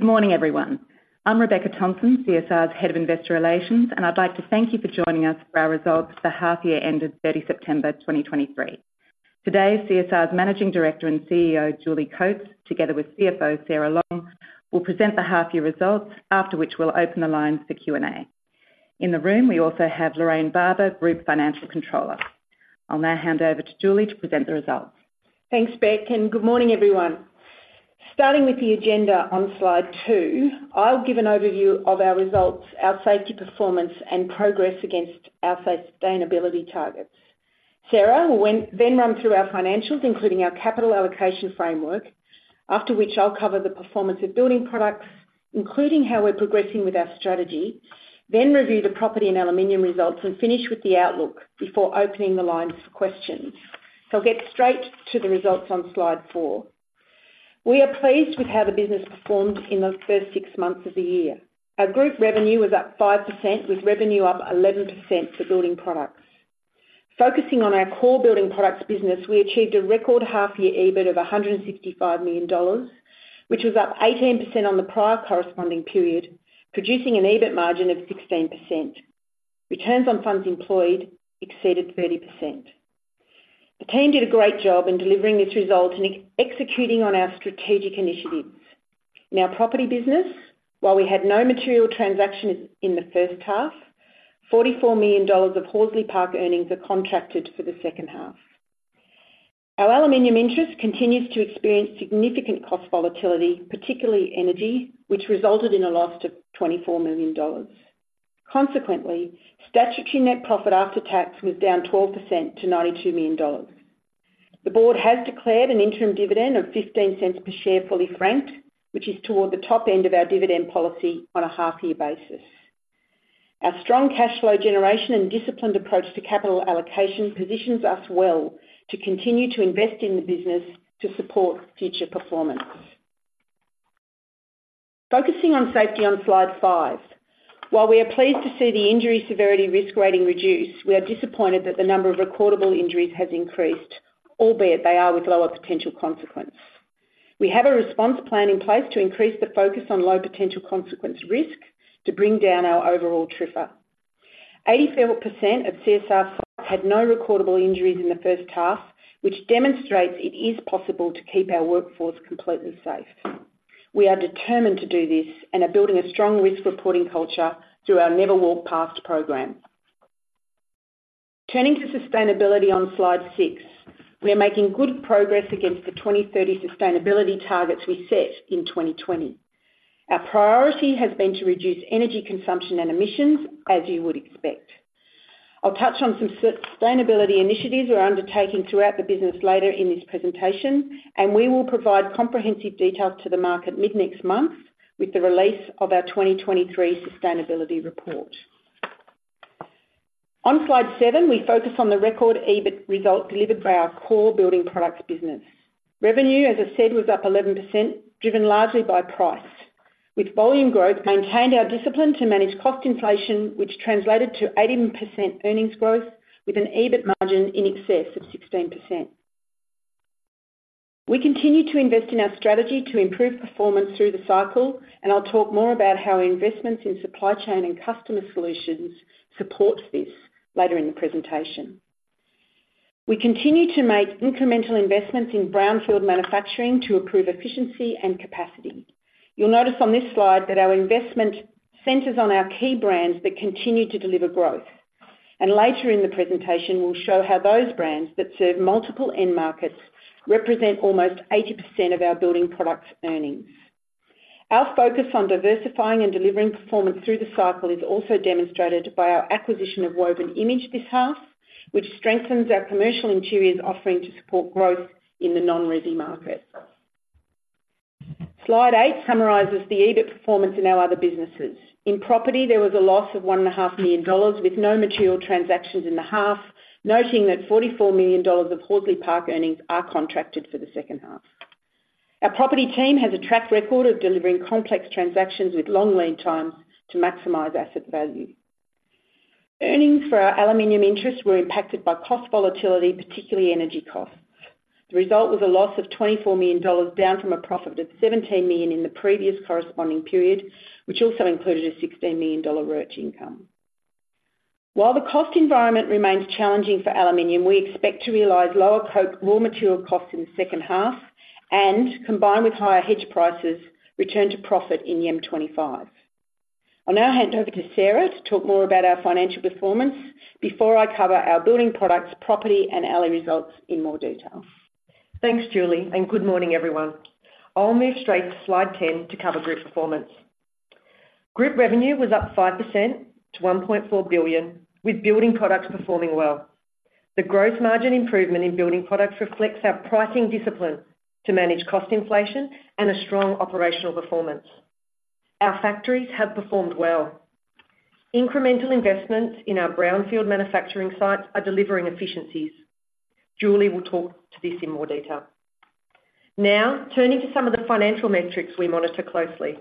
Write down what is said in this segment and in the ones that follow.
Good morning, everyone. I'm Rebecca Thompson, CSR's Head of Investor Relations, and I'd like to thank you for joining us for our results for the half-year ended 30 September 2023. Today, CSR's Managing Director and CEO, Julie Coates, together with CFO, Sara Lom, will present the half-year results, after which we'll open the lines for Q&A. In the room, we also have Lorraine Barber, Group Financial Controller. I'll now hand over to Julie to present the results. Thanks, Beck, and good morning, everyone. Starting with the agenda on slide two, I'll give an overview of our results, our safety performance, and progress against our sustainability targets. Sara will then run through our financials, including our capital allocation framework, after which I'll cover the performance of building products, including how we're progressing with our strategy, then review the property, and aluminium results, and finish with the outlook before opening the lines for questions. So I'll get straight to the results on slide four. We are pleased with how the business performed in the first six months of the year. Our group revenue was up 5%, with revenue up 11% for building products. Focusing on our core building products business, we achieved a record half-year EBIT of 165 million dollars, which was up 18% on the prior corresponding period, producing an EBIT margin of 16%. Returns on funds employed exceeded 30%. The team did a great job in delivering this result and executing on our strategic initiatives. In our property business, while we had no material transaction in the first half, 44 million dollars of Horsley Park earnings are contracted for the second half. Our aluminum interest continues to experience significant cost volatility, particularly energy, which resulted in a loss of 24 million dollars. Consequently, statutory net profit after tax was down 12% to 92 million dollars. The board has declared an interim dividend of 0.15 per share fully franked, which is toward the top end of our dividend policy on a half-year basis. Our strong cash flow generation and disciplined approach to capital allocation positions us well to continue to invest in the business to support future performance. Focusing on safety on slide five, while we are pleased to see the injury severity risk rating reduce, we are disappointed that the number of recordable injuries has increased, albeit they are with lower potential consequence. We have a response plan in place to increase the focus on low potential consequence risk to bring down our overall TRIFR. 84% of CSR sites had no recordable injuries in the first half, which demonstrates it is possible to keep our workforce completely safe. We are determined to do this, and are building a strong risk reporting culture through our Never Walk Past program. Turning to sustainability on slide six, we are making good progress against the 2030 sustainability targets we set in 2020. Our priority has been to reduce energy consumption and emissions, as you would expect. I'll touch on some sustainability initiatives we're undertaking throughout the business later in this presentation, and we will provide comprehensive details to the market mid-next month with the release of our 2023 sustainability report. On slide seven, we focus on the record EBIT result delivered by our core building products business. Revenue, as I said, was up 11%, driven largely by price. With volume growth, we maintained our discipline to manage cost inflation, which translated to 80% earnings growth with an EBIT margin in excess of 16%. We continue to invest in our strategy to improve performance through the cycle, and I'll talk more about how our investments in supply chain and customer solutions support this later in the presentation. We continue to make incremental investments in brownfield manufacturing to improve efficiency and capacity. You'll notice on this slide that our investment centers on our key brands that continue to deliver growth, and later in the presentation, we'll show how those brands that serve multiple end markets represent almost 80% of our building products earnings. Our focus on diversifying and delivering performance through the cycle is also demonstrated by our acquisition of Woven Image this half, which strengthens our commercial interiors offering to support growth in the non-resi market. Slide 8 summarizes the EBIT performance in our other businesses. In property, there was a loss of 1.5 million dollars with no material transactions in the half, noting that 44 million dollars of Horsley Park earnings are contracted for the second half. Our property team has a track record of delivering complex transactions with long lead times to maximize asset value. Earnings for our aluminium interest were impacted by cost volatility, particularly energy costs. The result was a loss of 24 million dollars down from a profit of 17 million in the previous corresponding period, which also included a 16 million dollar RERT income. While the cost environment remains challenging for aluminum, we expect to realize lower raw material costs in the second half and, combined with higher hedge prices, return to profit in YEM 2025. I'll now hand over to Sara to talk more about our financial performance before I cover our building products, property, and aluminum results in more detail. Thanks, Julie, and good morning, everyone. I'll move straight to slide 10 to cover group performance. Group revenue was up 5% to 1.4 billion, with building products performing well. The gross margin improvement in building products reflects our pricing discipline to manage cost inflation and a strong operational performance. Our factories have performed well. Incremental investments in our brownfield manufacturing sites are delivering efficiencies. Julie will talk to this in more detail. Now, turning to some of the financial metrics we monitor closely.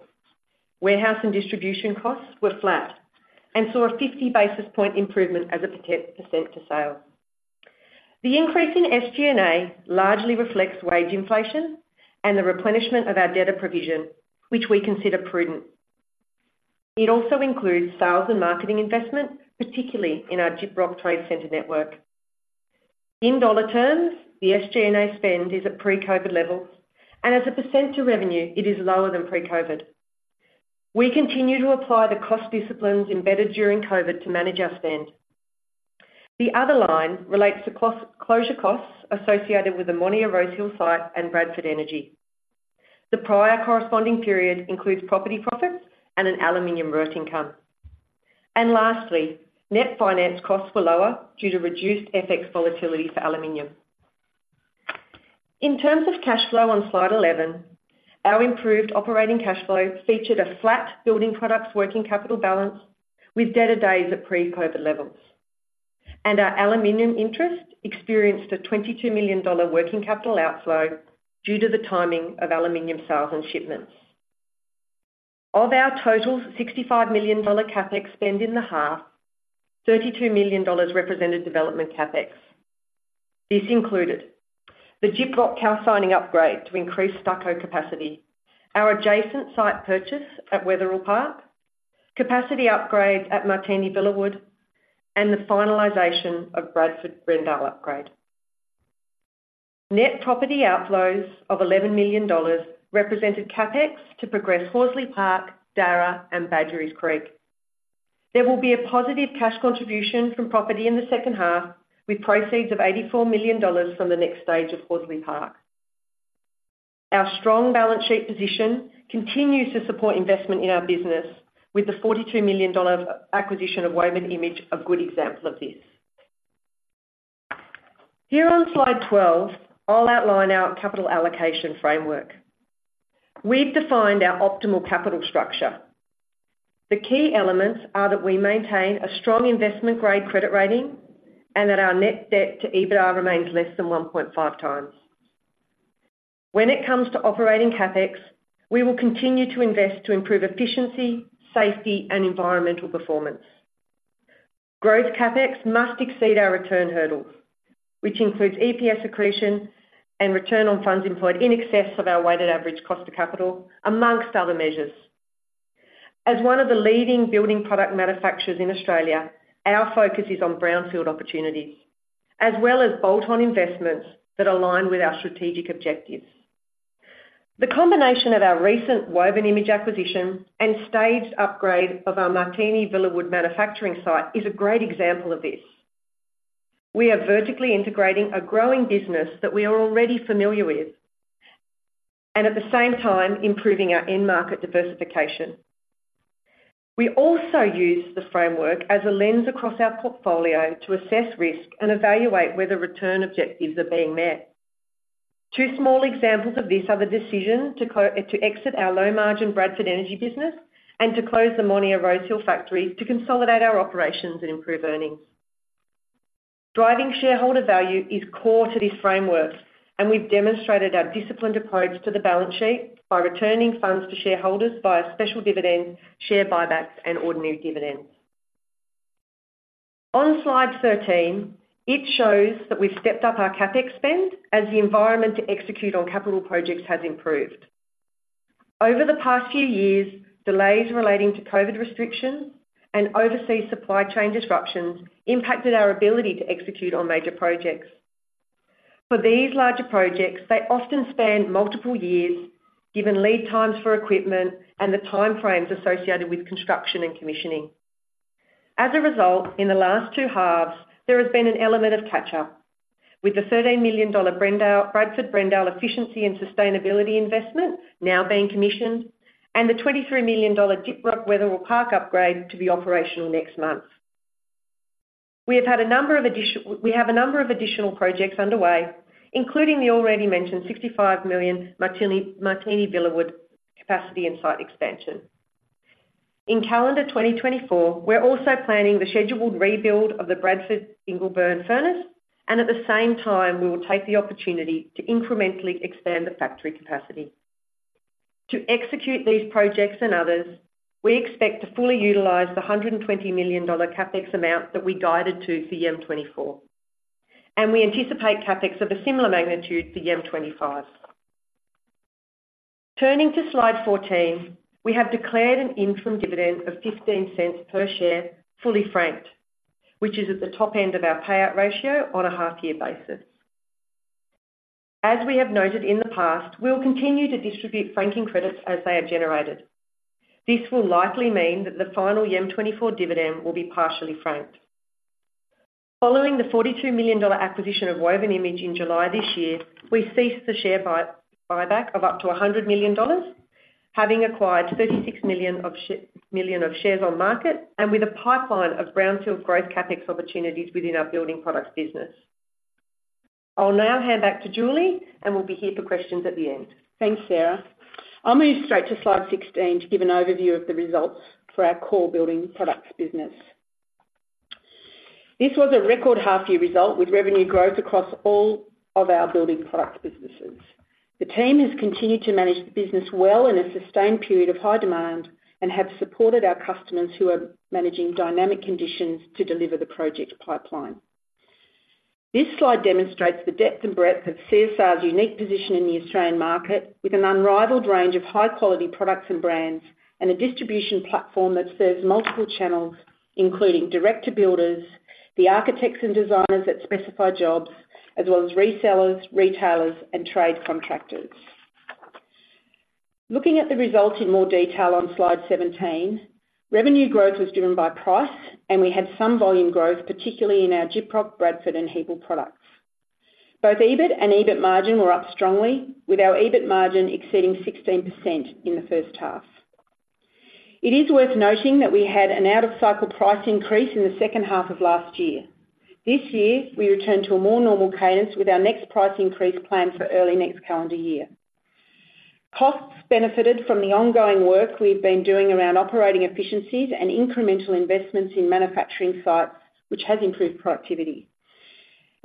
Warehouse and distribution costs were flat and saw a 50 basis point improvement as a percent to sales. The increase in SG&A largely reflects wage inflation and the replenishment of our debtor provision, which we consider prudent. It also includes sales and marketing investment, particularly in our Gyprock Trade Centre network. In dollar terms, the SG&A spend is at pre-COVID levels, and as a percent to revenue, it is lower than pre-COVID. We continue to apply the cost disciplines embedded during COVID to manage our spend. The other line relates to closure costs associated with the Monier Rosehill site, and Bradford Energy. The prior corresponding period includes property profits and an aluminium RERT income. And lastly, net finance costs were lower due to reduced FX volatility for aluminium. In terms of cash flow on slide 11, our improved operating cash flow featured a flat building products working capital balance with debtor days at pre-COVID levels, and our aluminium interest experienced a 22 million dollar working capital outflow due to the timing of aluminium sales and shipments. Of our total 65 million dollar CAPEX spend in the half, 32 million dollars represented development CAPEX. This included the Gyprock calcining upgrade to increase stucco capacity, our adjacent site purchase at Wetherill Park, capacity upgrade at Martini Villawood, and the finalization of Bradford Brendale upgrade. Net property outflows of 11 million dollars represented CAPEX to progress Horsley Park, Darra, and Badgerys Creek. There will be a positive cash contribution from property in the second half with proceeds of 84 million dollars from the next stage of Horsley Park. Our strong balance sheet position continues to support investment in our business, with the 42 million dollar acquisition of Woven Image a good example of this. Here on slide 12, I'll outline our capital allocation framework. We've defined our optimal capital structure. The key elements are that we maintain a strong investment-grade credit rating and that our net debt to EBITDA remains less than 1.5x. When it comes to operating CAPEX, we will continue to invest to improve efficiency, safety, and environmental performance. Growth CAPEX must exceed our return hurdles, which includes EPS accretion, and return on funds employed in excess of our weighted average cost of capital, among other measures. As one of the leading building product manufacturers in Australia, our focus is on brownfield opportunities as well as bolt-on investments that align with our strategic objectives. The combination of our recent Woven Image acquisition and staged upgrade of our Martini Villawood manufacturing site is a great example of this. We are vertically integrating a growing business that we are already familiar with and, at the same time, improving our end market diversification. We also use the framework as a lens across our portfolio to assess risk, and evaluate whether return objectives are being met. Two small examples of this are the decision to exit our low-margin Bradford Energy business and to close the Rosehill factory to consolidate our operations and improve earnings. Driving shareholder value is core to this framework, and we've demonstrated our disciplined approach to the balance sheet by returning funds to shareholders via special dividends, share buybacks, and ordinary dividends. On slide 13, it shows that we've stepped up our CAPEX spend as the environment to execute on capital projects has improved. Over the past few years, delays relating to COVID restrictions and overseas supply chain disruptions impacted our ability to execute on major projects. For these larger projects, they often span multiple years given lead times for equipment and the timeframes associated with construction and commissioning. As a result, in the last two halves, there has been an element of catch-up, with the 13 million dollar Bradford Brendale efficiency and sustainability investment now being commissioned and the 23 million dollar Gyprock Wetherill Park upgrade to be operational next month. We have a number of additional projects underway, including the already mentioned 65 million Martini Villawood capacity, and site expansion. In calendar 2024, we're also planning the scheduled rebuild of the Bradford Ingleburn furnace, and at the same time, we will take the opportunity to incrementally expand the factory capacity. To execute these projects and others, we expect to fully utilize the 120 million dollar CAPEX amount that we guided to for YEM 2024, and we anticipate CAPEX of a similar magnitude for YEM 2025. Turning to slide 14, we have declared an interim dividend of 0.15 per share fully franked, which is at the top end of our payout ratio on a half-year basis. As we have noted in the past, we'll continue to distribute franking credits as they are generated. This will likely mean that the final YEM 2024 dividend will be partially frank. Following the 42 million dollar acquisition of Woven Image in July this year, we ceased the share buyback of up to 100 million dollars, having acquired 36 million of shares on market and with a pipeline of brownfield growth CAPEX opportunities within our building products business. I'll now hand back to Julie, and we'll be here for questions at the end. Thanks, Sara. I'll move straight to slide 16 to give an overview of the results for our core building products business. This was a record half-year result with revenue growth across all of our building products businesses. The team has continued to manage the business well in a sustained period of high demand and have supported our customers who are managing dynamic conditions to deliver the project pipeline. This slide demonstrates the depth and breadth of CSR's unique position in the Australian market with an unrivaled range of high-quality products and brands and a distribution platform that serves multiple channels, including direct to builders, the architects and designers that specify jobs, as well as resellers, retailers, and trade contractors. Looking at the results in more detail on slide 17, revenue growth was driven by price, and we had some volume growth, particularly in our Gyprock, Bradford, and Hebel products. Both EBIT and EBIT margin were up strongly, with our EBIT margin exceeding 16% in the first half. It is worth noting that we had an out-of-cycle price increase in the second half of last year. This year, we return to a more normal cadence with our next price increase planned for early next calendar year. Costs benefited from the ongoing work we've been doing around operating efficiencies and incremental investments in manufacturing sites, which has improved productivity.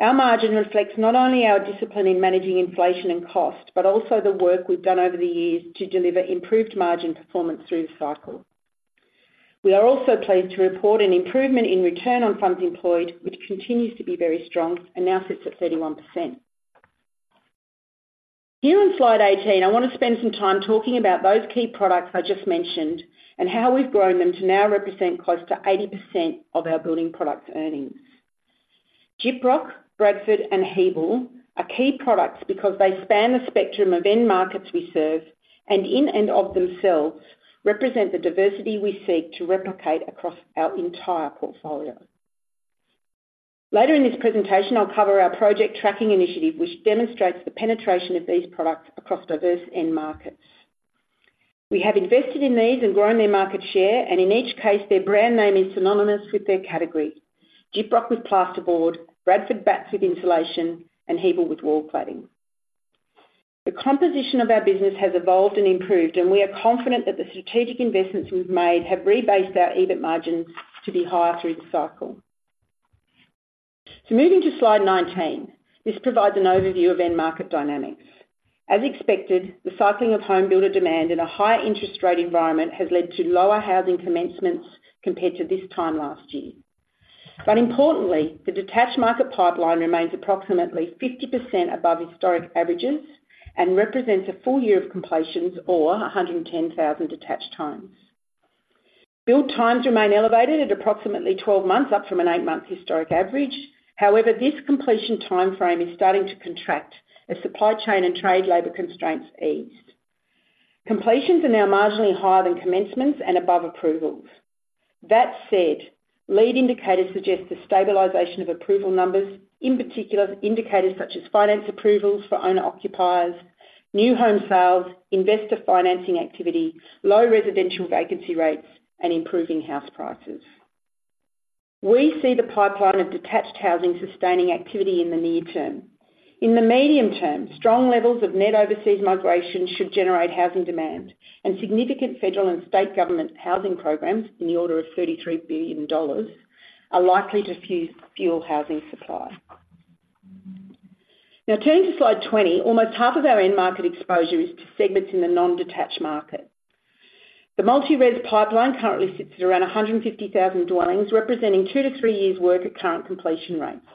Our margin reflects not only our discipline in managing inflation and cost but also the work we've done over the years to deliver improved margin performance through the cycle. We are also pleased to report an improvement in return on funds employed, which continues to be very strong and now sits at 31%. Here on slide 18, I want to spend some time talking about those key products I just mentioned and how we've grown them to now represent close to 80% of our building products earnings. Gyprock, Bradford, and Hebel are key products because they span the spectrum of end markets we serve and, in and of themselves, represent the diversity we seek to replicate across our entire portfolio. Later in this presentation, I'll cover our project tracking initiative, which demonstrates the penetration of these products across diverse end markets. We have invested in these and grown their market share, and in each case, their brand name is synonymous with their category: Gyprock with plasterboard, Bradford Batts with insulation, and Hebel with wall cladding. The composition of our business has evolved and improved, and we are confident that the strategic investments we've made have rebased our EBIT margins to be higher through the cycle. So moving to slide 19, this provides an overview of end market dynamics. As expected, the cycling of home builder demand in a higher interest rate environment has led to lower housing commencements compared to this time last year. But importantly, the detached market pipeline remains approximately 50% above historic averages and represents a full year of completions or 110,000 detached homes. Build times remain elevated at approximately 12 months up from an eight-month historic average. However, this completion timeframe is starting to contract as supply chain and trade labor constraints ease. Completions are now marginally higher than commencements and above approvals. That said, lead indicators suggest a stabilization of approval numbers, in particular indicators such as finance approvals for owner-occupiers, new home sales, investor financing activity, low residential vacancy rates, and improving house prices. We see the pipeline of detached housing sustaining activity in the near term. In the medium term, strong levels of net overseas migration should generate housing demand, and significant federal, and state government housing programs in the order of 33 billion dollars are likely to fuel housing supply. Now, turning to Slide 20, almost half of our end market exposure is to segments in the non-detached market. The multi-res pipeline currently sits at around 150,000 dwellings, representing two to three years' work at current completion rates.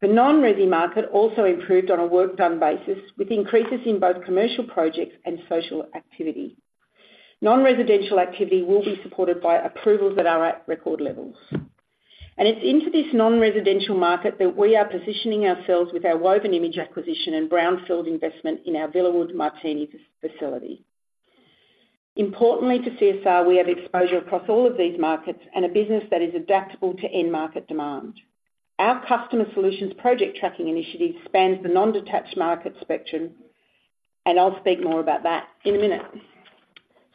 The non-resi market also improved on a work-done basis with increases in both commercial projects and social activity. Non-residential activity will be supported by approvals that are at record levels. And it's into this non-residential market that we are positioning ourselves with our Woven Image acquisition and brownfield investment in our Villawood Martini facility. Importantly to CSR, we have exposure across all of these markets and a business that is adaptable to end market demand. Our customer solutions project tracking initiative spans the non-detached market spectrum, and I'll speak more about that in a minute.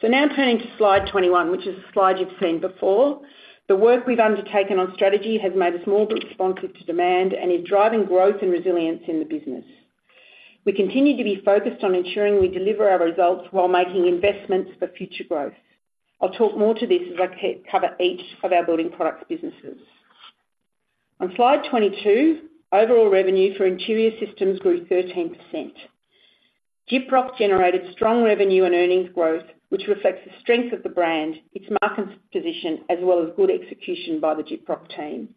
So now turning to slide 21, which is a slide you've seen before. The work we've undertaken on strategy has made us more responsive to demand and is driving growth and resilience in the business. We continue to be focused on ensuring we deliver our results while making investments for future growth. I'll talk more to this as I cover each of our building products businesses. On slide 22, overall revenue for interior systems grew 13%. Gyprock generated strong revenue and earnings growth, which reflects the strength of the brand, its market position, as well as good execution by the Gyprock team.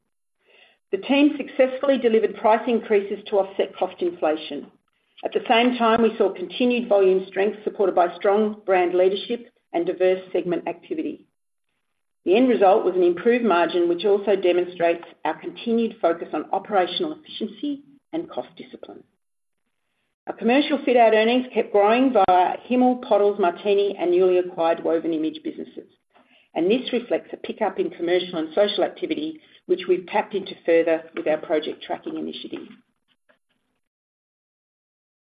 The team successfully delivered price increases to offset cost inflation. At the same time, we saw continued volume strength supported by strong brand leadership and diverse segment activity. The end result was an improved margin, which also demonstrates our continued focus on operational efficiency and cost discipline. Our commercial fit-out earnings kept growing via Himmel, Potter, Martini, and newly acquired Woven Image businesses, and this reflects a pickup in commercial and social activity, which we've tapped into further with our project tracking initiative.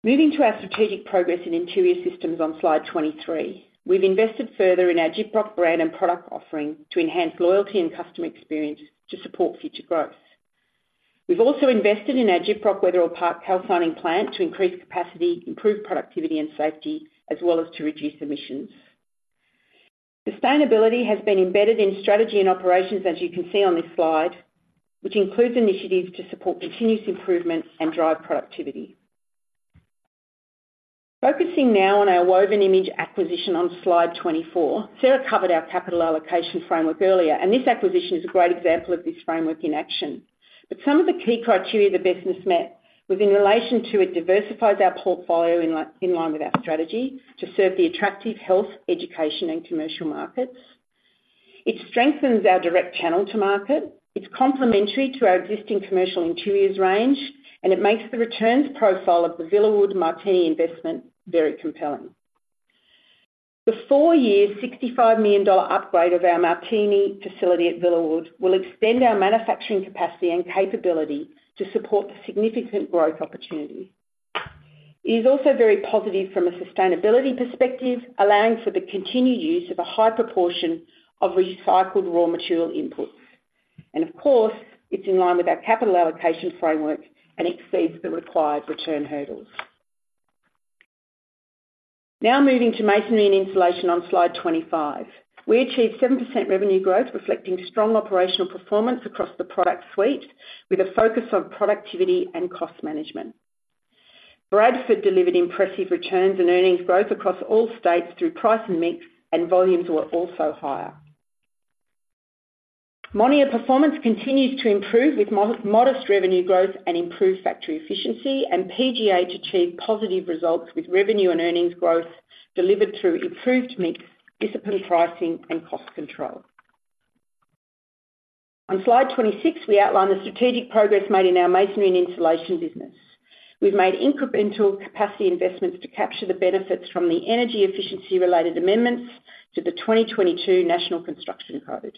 Moving to our strategic progress in interior systems on slide 23, we've invested further in our Gyprock brand and product offering to enhance loyalty and customer experience to support future growth. We've also invested in our Gyprock Wetherill Park calcining plant to increase capacity, improve productivity, and safety, as well as to reduce emissions. Sustainability has been embedded in strategy and operations, as you can see on this slide, which includes initiatives to support continuous improvement and drive productivity. Focusing now on our Woven Image acquisition on slide 24, Sara covered our capital allocation framework earlier, and this acquisition is a great example of this framework in action. Some of the key criteria the business met was in relation to it diversifies our portfolio in line with our strategy to serve the attractive health, education, and commercial markets. It strengthens our direct channel to market. It's complementary to our existing commercial interiors range, and it makes the returns profile of the Villawood Martini investment very compelling. The four-year 65 million dollar upgrade of our Martini facility at Villawood will extend our manufacturing capacity and capability to support the significant growth opportunity. It is also very positive from a sustainability perspective, allowing for the continued use of a high proportion of recycled raw material inputs. And of course, it's in line with our capital allocation framework and exceeds the required return hurdles. Now moving to masonry and insulation on slide 25, we achieved 7% revenue growth, reflecting strong operational performance across the product suite with a focus on productivity and cost management. Bradford delivered impressive returns and earnings growth across all states through price and mix, and volumes were also higher. Monier Performance continues to improve with modest revenue growth and improved factory efficiency, and PGH achieved positive results with revenue and earnings growth delivered through improved mix, disciplined pricing, and cost control. On slide 26, we outline the strategic progress made in our masonry and insulation business. We've made incremental capacity investments to capture the benefits from the energy efficiency-related amendments to the 2022 National Construction Code.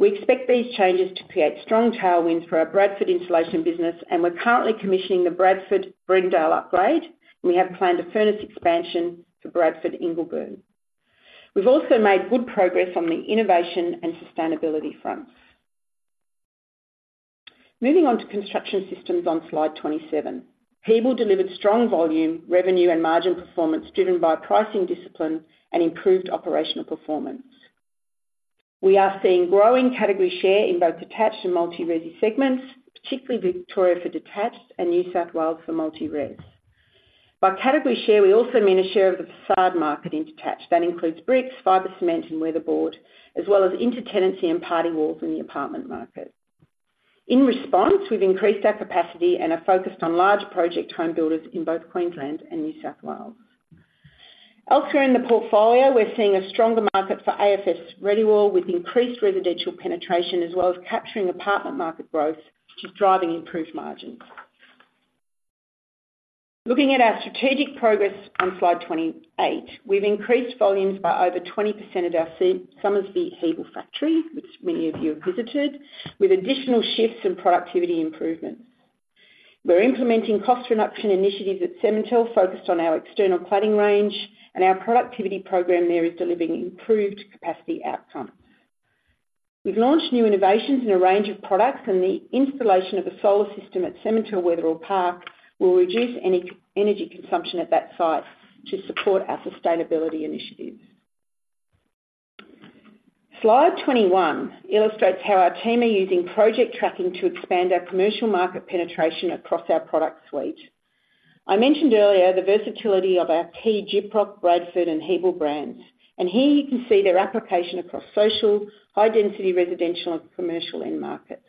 We expect these changes to create strong tailwinds for our Bradford insulation business, and we're currently commissioning the Bradford Brendale upgrade, and we have planned a furnace expansion for Bradford Ingleburn. We've also made good progress on the innovation and sustainability fronts. Moving on to construction systems on slide 27, Hebel delivered strong volume, revenue, and margin performance driven by pricing discipline and improved operational performance. We are seeing growing category share in both detached and multi-resi segments, particularly Victoria for detached and New South Wales for multi-res. By category share, we also mean a share of the façade market in detached. That includes bricks, fibre cement, and weatherboard, as well as intertenancy and party walls in the apartment market. In response, we've increased our capacity and are focused on large project home builders in both Queensland and New South Wales. Elsewhere in the portfolio, we're seeing a stronger market for AFS Rediwall with increased residential penetration, as well as capturing apartment market growth, which is driving improved margins. Looking at our strategic progress on slide 28, we've increased volumes by over 20% at our Somersby Hebel factory, which many of you have visited, with additional shifts and productivity improvements. We're implementing cost reduction initiatives at Cemintel focused on our external cladding range, and our productivity program there is delivering improved capacity outcomes. We've launched new innovations in a range of products, and the installation of a solar system at Cemintel Wetherill Park will reduce any energy consumption at that site to support our sustainability initiatives. Slide 21 illustrates how our team are using project tracking to expand our commercial market penetration across our product suite. I mentioned earlier the versatility of our key Gyprock, Bradford, and Hebel brands, and here you can see their application across social, high-density residential, and commercial end markets.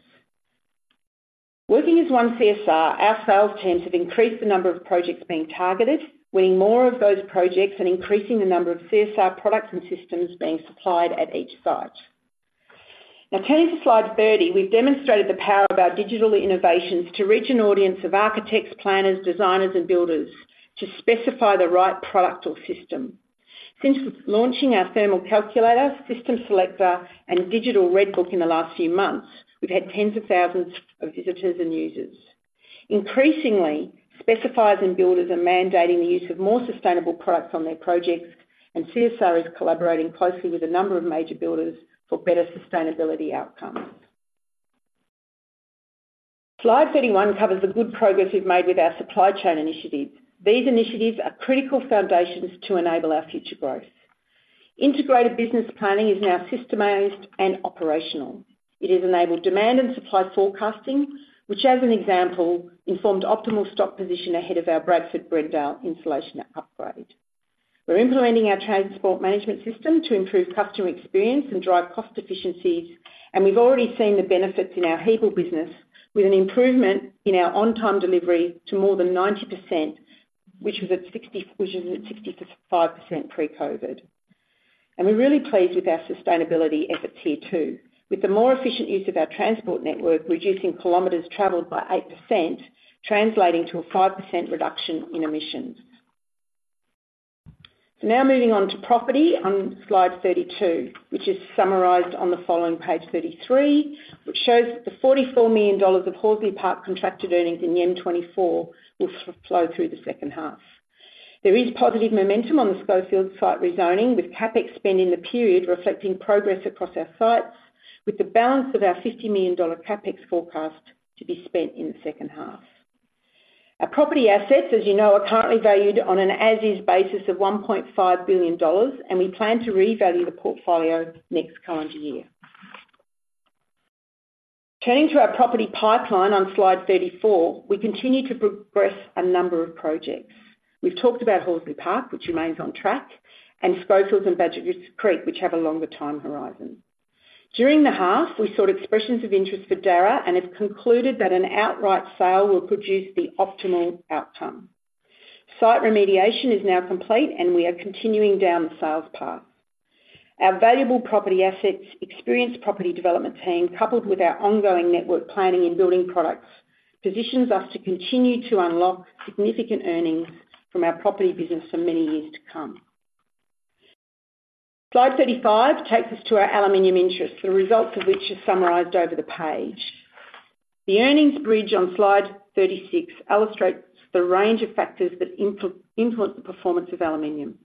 Working as one CSR, our sales teams have increased the number of projects being targeted, winning more of those projects, and increasing the number of CSR products and systems being supplied at each site. Now turning to slide 30, we've demonstrated the power of our digital innovations to reach an audience of architects, planners, designers, and builders to specify the right product or system. Since launching our thermal calculator, system selector, and digital redbook in the last few months, we've had tens of thousands of visitors and users. Increasingly, specifiers and builders are mandating the use of more sustainable products on their projects, and CSR is collaborating closely with a number of major builders for better sustainability outcomes. Slide 31 covers the good progress we've made with our supply chain initiatives. These initiatives are critical foundations to enable our future growth. Integrated business planning is now systemized and operational. It has enabled demand and supply forecasting, which, as an example, informed optimal stock position ahead of our Bradford Brendale insulation upgrade. We're implementing our transport management system to improve customer experience and drive cost efficiencies, and we've already seen the benefits in our Hebel business with an improvement in our on-time delivery to more than 90%, which was at 65% pre-COVID. And we're really pleased with our sustainability efforts here too, with the more efficient use of our transport network reducing kilometers traveled by 8%, translating to a 5% reduction in emissions. So now moving on to property on slide 32, which is summarized on the following page 33, which shows that the 44 million dollars of Horsley Park contracted earnings in YEM 2024 will flow through the second half. There is positive momentum on the Schofields site rezoning, with CAPEX spent in the period reflecting progress across our sites, with the balance of our 50 million dollar CAPEX forecast to be spent in the second half. Our property assets, as you know, are currently valued on an as-is basis of 1.5 billion dollars, and we plan to revalue the portfolio next calendar year. Turning to our property pipeline on slide 34, we continue to progress a number of projects. We've talked about Horsley Park, which remains on track, and Schofields and Badgerys Creek, which have a longer time horizon. During the half, we sought expressions of interest for Darra and have concluded that an outright sale will produce the optimal outcome. Site remediation is now complete, and we are continuing down the sales path. Our valuable property assets, experienced property development team, coupled with our ongoing network planning in building products, positions us to continue to unlock significant earnings from our property business for many years to come. Slide 35 takes us to our aluminum interests, the results of which are summarized over the page. The earnings bridge on slide 36 illustrates the range of factors that influence the performance of aluminum.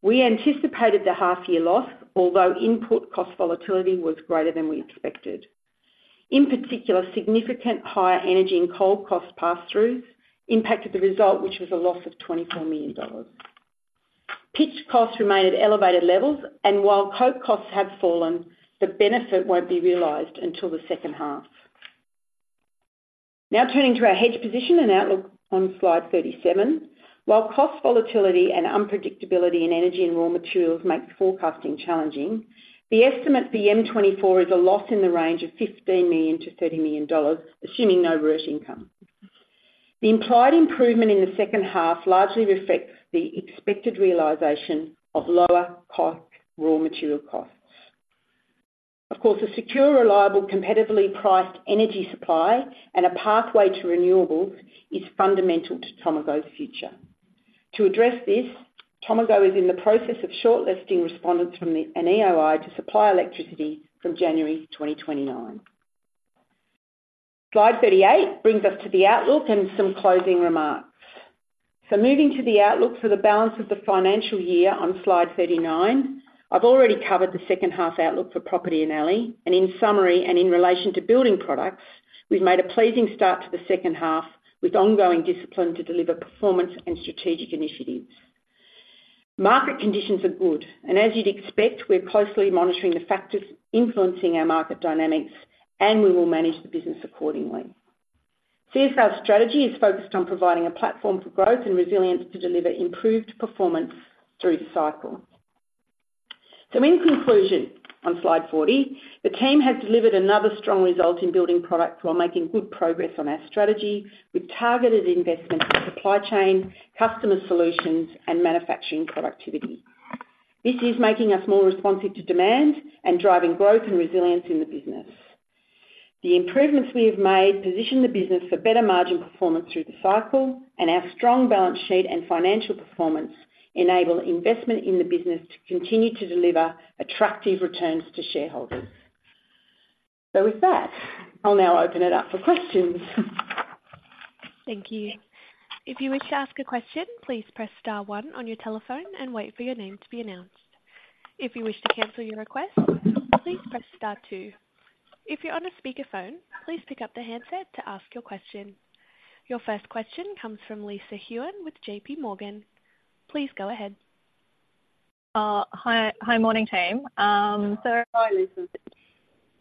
We anticipated the half-year loss, although input cost volatility was greater than we expected. In particular, significant higher energy and coal cost pass-throughs impacted the result, which was a loss of 24 million dollars. Pitch costs remained at elevated levels, and while Coke costs have fallen, the benefit won't be realized until the second half. Now turning to our hedge position and outlook on slide 37, while cost volatility and unpredictability in energy and raw materials make forecasting challenging, the estimate for YEM 2024 is a loss in the range of 15 million-30 million dollars, assuming no RERT income. The implied improvement in the second half largely reflects the expected realization of lower cost raw material costs. Of course, a secure, reliable, competitively priced energy supply and a pathway to renewables is fundamental to Tomago's future. To address this, Tomago is in the process of shortlisting respondents from an EOI to supply electricity from January 2029. Slide 38 brings us to the outlook and some closing remarks. Moving to the outlook for the balance of the financial year on slide 39, I've already covered the second half outlook for property in Alley. In summary and in relation to building products, we've made a pleasing start to the second half with ongoing discipline to deliver performance and strategic initiatives. Market conditions are good, and as you'd expect, we're closely monitoring the factors influencing our market dynamics, and we will manage the business accordingly. CSR strategy is focused on providing a platform for growth and resilience to deliver improved performance through the cycle. In conclusion on slide 40, the team has delivered another strong result in building products while making good progress on our strategy with targeted investments in supply chain, customer solutions, and manufacturing productivity. This is making us more responsive to demand and driving growth and resilience in the business. The improvements we have made position the business for better margin performance through the cycle, and our strong balance sheet and financial performance enable investment in the business to continue to deliver attractive returns to shareholders. So with that, I'll now open it up for questions. Thank you. If you wish to ask a question, please press star one on your telephone and wait for your name to be announced. If you wish to cancel your request, please press star two. If you're on a speakerphone, please pick up the handset to ask your question. Your first question comes from Lisa Huynh with J.P. Morgan. Please go ahead. Hi, morning team. So. Hi, Lisa.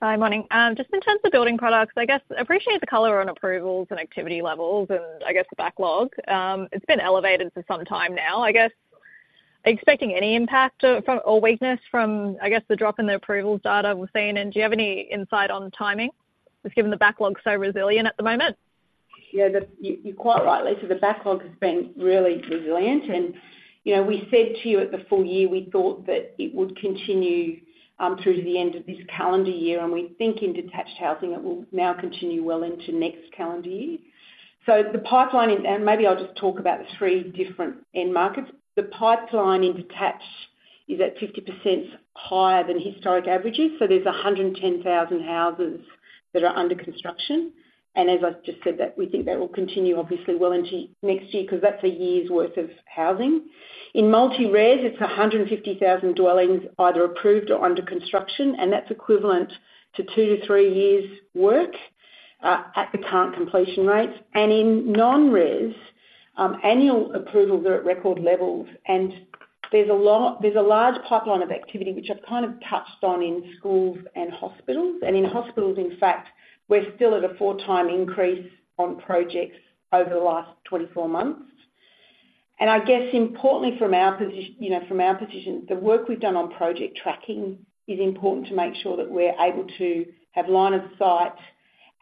Hi, morning. Just in terms of building products, I guess I appreciate the color on approvals and activity levels and, I guess, the backlog. It's been elevated for some time now. I guess expecting any impact or weakness from, I guess, the drop in the approvals data we've seen. And do you have any insight on timing just given the backlog so resilient at the moment? Yeah, you're quite right, Lisa. The backlog has been really resilient. And we said to you at the full year we thought that it would continue through to the end of this calendar year, and we think in detached housing it will now continue well into next calendar year. So the pipeline and maybe I'll just talk about the three different end markets. The pipeline in detached is at 50% higher than historic averages. So there's 110,000 houses that are under construction. And as I just said, we think that will continue, obviously, well into next year because that's a year's worth of housing. In multi-res, it's 150,000 dwellings either approved or under construction, and that's equivalent to two to three years' work at the current completion rates. In non-res, annual approvals are at record levels, and there's a large pipeline of activity, which I've kind of touched on, in schools and hospitals. In hospitals, in fact, we're still at a 4-time increase on projects over the last 24 months. I guess importantly from our position, the work we've done on project tracking is important to make sure that we're able to have line of sight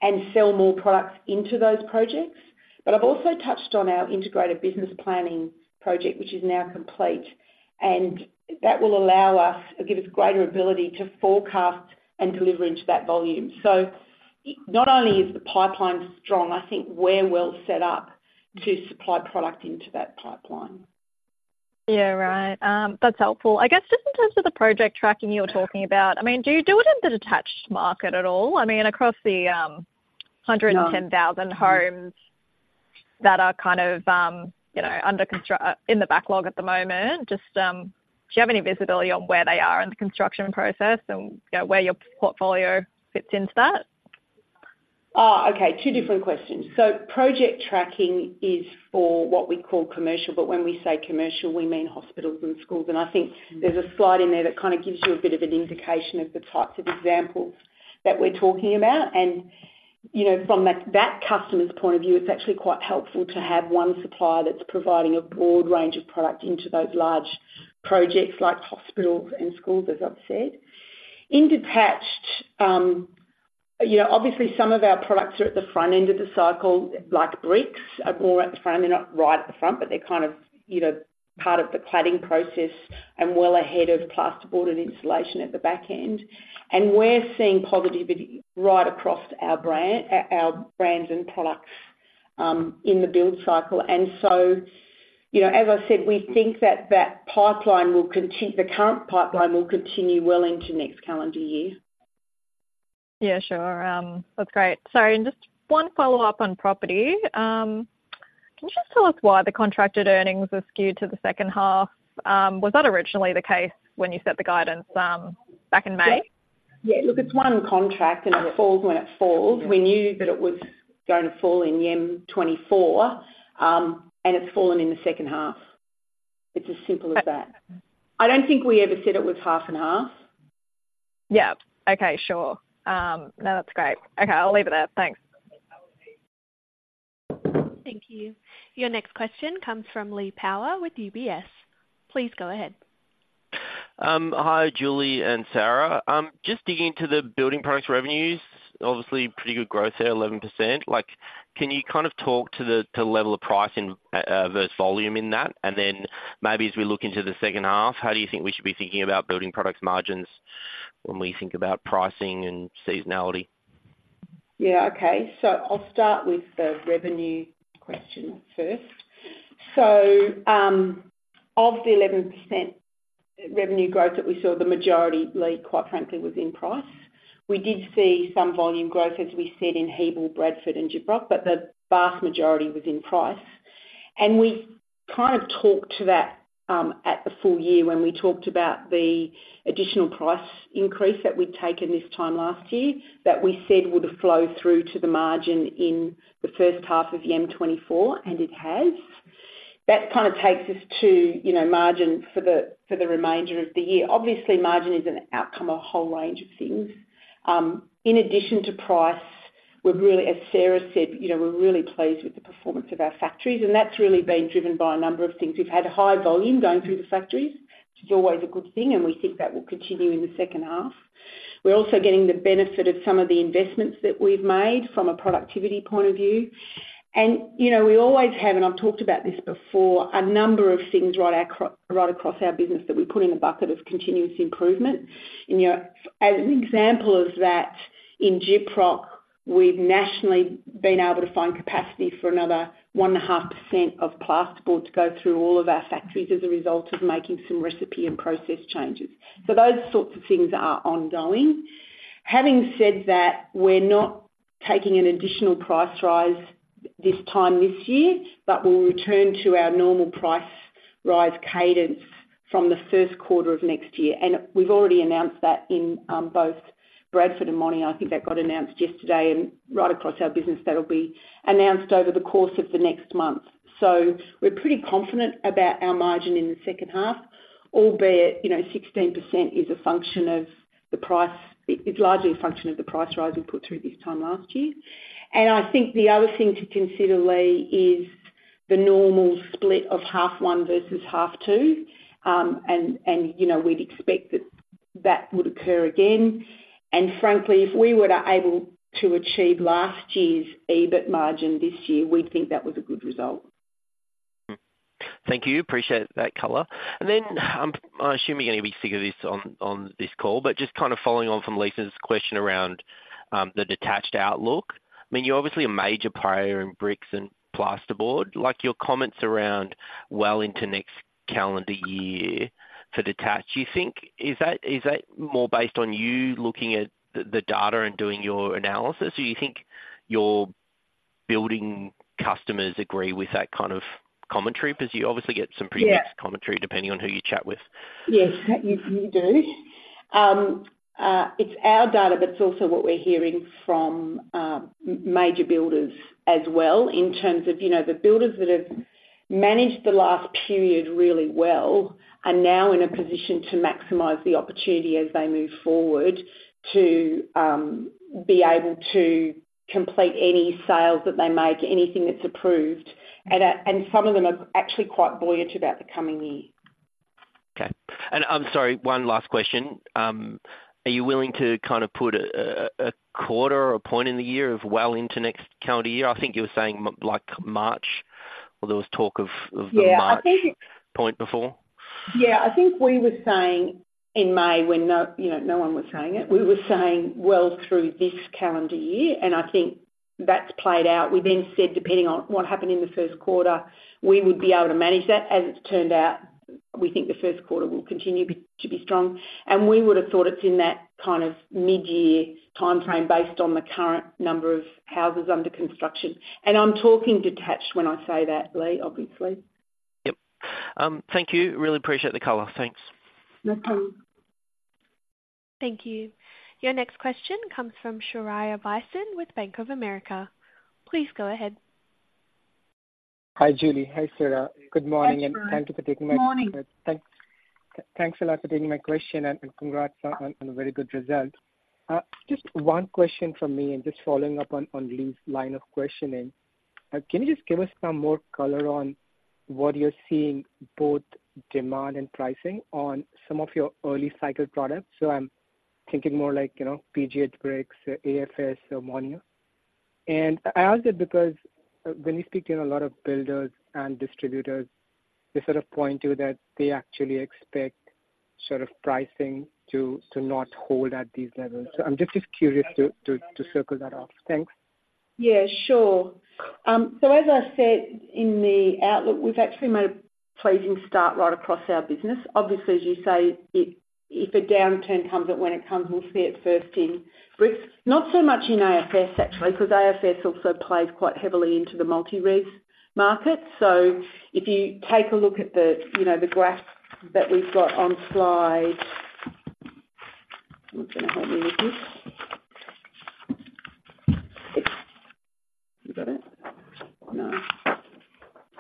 and sell more products into those projects. I've also touched on our integrated business planning project, which is now complete, and that will allow us or give us greater ability to forecast and deliver into that volume. So not only is the pipeline strong, I think we're well set up to supply product into that pipeline. Yeah, right. That's helpful. I guess just in terms of the project tracking you were talking about, I mean, do you do it in the detached market at all? I mean, across the 110,000 homes that are kind of under in the backlog at the moment, do you have any visibility on where they are in the construction process and where your portfolio fits into that? Okay. Two different questions. So project tracking is for what we call commercial, but when we say commercial, we mean hospitals and schools. And I think there's a slide in there that kind of gives you a bit of an indication of the types of examples that we're talking about. From that customer's point of view, it's actually quite helpful to have one supplier that's providing a broad range of product into those large projects like hospitals and schools, as I've said. In detached, obviously, some of our products are at the front end of the cycle, like bricks, are more at the front. They're not right at the front, but they're kind of part of the cladding process and well ahead of plasterboard and insulation at the back end. We're seeing positivity right across our brands and products in the build cycle. So, as I said, we think that that current pipeline will continue well into next calendar year. Yeah, sure. That's great. Sorry, just one follow-up on property. Can you just tell us why the contracted earnings are skewed to the second half? Was that originally the case when you set the guidance back in May? Yeah. Look, it's one contract, and it falls when it falls. We knew that it was going to fall in YEM 2024, and it's fallen in the second half. It's as simple as that. I don't think we ever said it was half and half. Yeah. Okay. Sure. No, that's great. Okay. I'll leave it there. Thanks. Thank you. Your next question comes from Lee Power with UBS. Please go ahead. Hi, Julie and Sara. Just digging into the building products revenues, obviously, pretty good growth there, 11%. Can you kind of talk to the level of pricing versus volume in that? And then maybe as we look into the second half, how do you think we should be thinking about building products margins when we think about pricing and seasonality? Y eah. Okay. So I'll start with the revenue question first. Of the 11% revenue growth that we saw, the majority, quite frankly, was in price. We did see some volume growth, as we said, in Hebel, Bradford, and Gyprock, but the vast majority was in price. And we kind of talked to that at the full year when we talked about the additional price increase that we'd taken this time last year that we said would flow through to the margin in the first half of YEM 2024, and it has. That kind of takes us to margin for the remainder of the year. Obviously, margin is an outcome of a whole range of things. In addition to price, as Sara said, we're really pleased with the performance of our factories, and that's really been driven by a number of things. We've had high volume going through the factories, which is always a good thing, and we think that will continue in the second half. We're also getting the benefit of some of the investments that we've made from a productivity point of view. And we always have - and I've talked about this before - a number of things right across our business that we put in a bucket of continuous improvement. As an example of that, in Gyprock, we've nationally been able to find capacity for another 1.5% of plasterboard to go through all of our factories as a result of making some recipe and process changes. So those sorts of things are ongoing. Having said that, we're not taking an additional price rise this time this year, but we'll return to our normal price rise cadence from the first quarter of next year. And we've already announced that in both Bradford and Monier. I think that got announced yesterday, and right across our business, that'll be announced over the course of the next month. So we're pretty confident about our margin in the second half, albeit 16% is largely a function of the price rise we put through this time last year. And I think the other thing to consider, Lee, is the normal split of half one versus half two, and we'd expect that that would occur again. And frankly, if we were able to achieve last year's EBIT margin this year, we'd think that was a good result. Thank you. Appreciate that color. And then I assume you're going to be sick of this on this call, but just kind of following on from Lisa's question around the detached outlook, I mean, you're obviously a major player in bricks and plasterboard. Your comments around well into next calendar year for detached, is that more based on you looking at the data and doing your analysis, or do you think your building customers agree with that kind of commentary? Because you obviously get some pretty mixed commentary depending on who you chat with. Yes, you do. It's our data, but it's also what we're hearing from major builders as well in terms of the builders that have managed the last period really well are now in a position to maximize the opportunity as they move forward to be able to complete any sales that they make, anything that's approved. And some of them are actually quite buoyant about the coming year. Okay. And I'm sorry, one last question. Are you willing to kind of put a quarter or a point in the year of well into next calendar year?I think you were saying March, or there was talk of the March point before. Yeah. I think we were saying in May when no one was saying it. We were saying well through this calendar year, and I think that's played out. We then said, depending on what happened in the first quarter, we would be able to manage that. As it's turned out, we think the first quarter will continue to be strong. And we would have thought it's in that kind of mid-year timeframe based on the current number of houses under construction. And I'm talking detached when I say that, Lee, obviously. Yep. Thank you. Really appreciate the color. Thanks. No problem. Thank you. Your next question comes from Shreyas Patel with Bank of America. Please go ahead. Hi, Julie. Hi, Sara. Good morning, and thank you for taking my question. Good morning. Thanks a lot for taking my question, and congrats on a very good result. Just one question from me, and just following up on Lee's line of questioning. Can you just give us some more color on what you're seeing, both demand and pricing, on some of your early-cycle products? So I'm thinking more like PGH Bricks, AFS, or Monier. And I ask that because when you speak to a lot of builders and distributors, they sort of point to that they actually expect sort of pricing to not hold at these levels. So I'm just curious to circle that off. Thanks. Yeah, sure. So as I said in the outlook, we've actually made a pleasing start right across our business. Obviously, as you say, if a downturn comes, that when it comes, we'll see it first in bricks. Not so much in AFS, actually, because AFS also plays quite heavily into the multi-res market. So if you take a look at the graph that we've got on slide—who's going to help me with this? You got it? No. Anyway,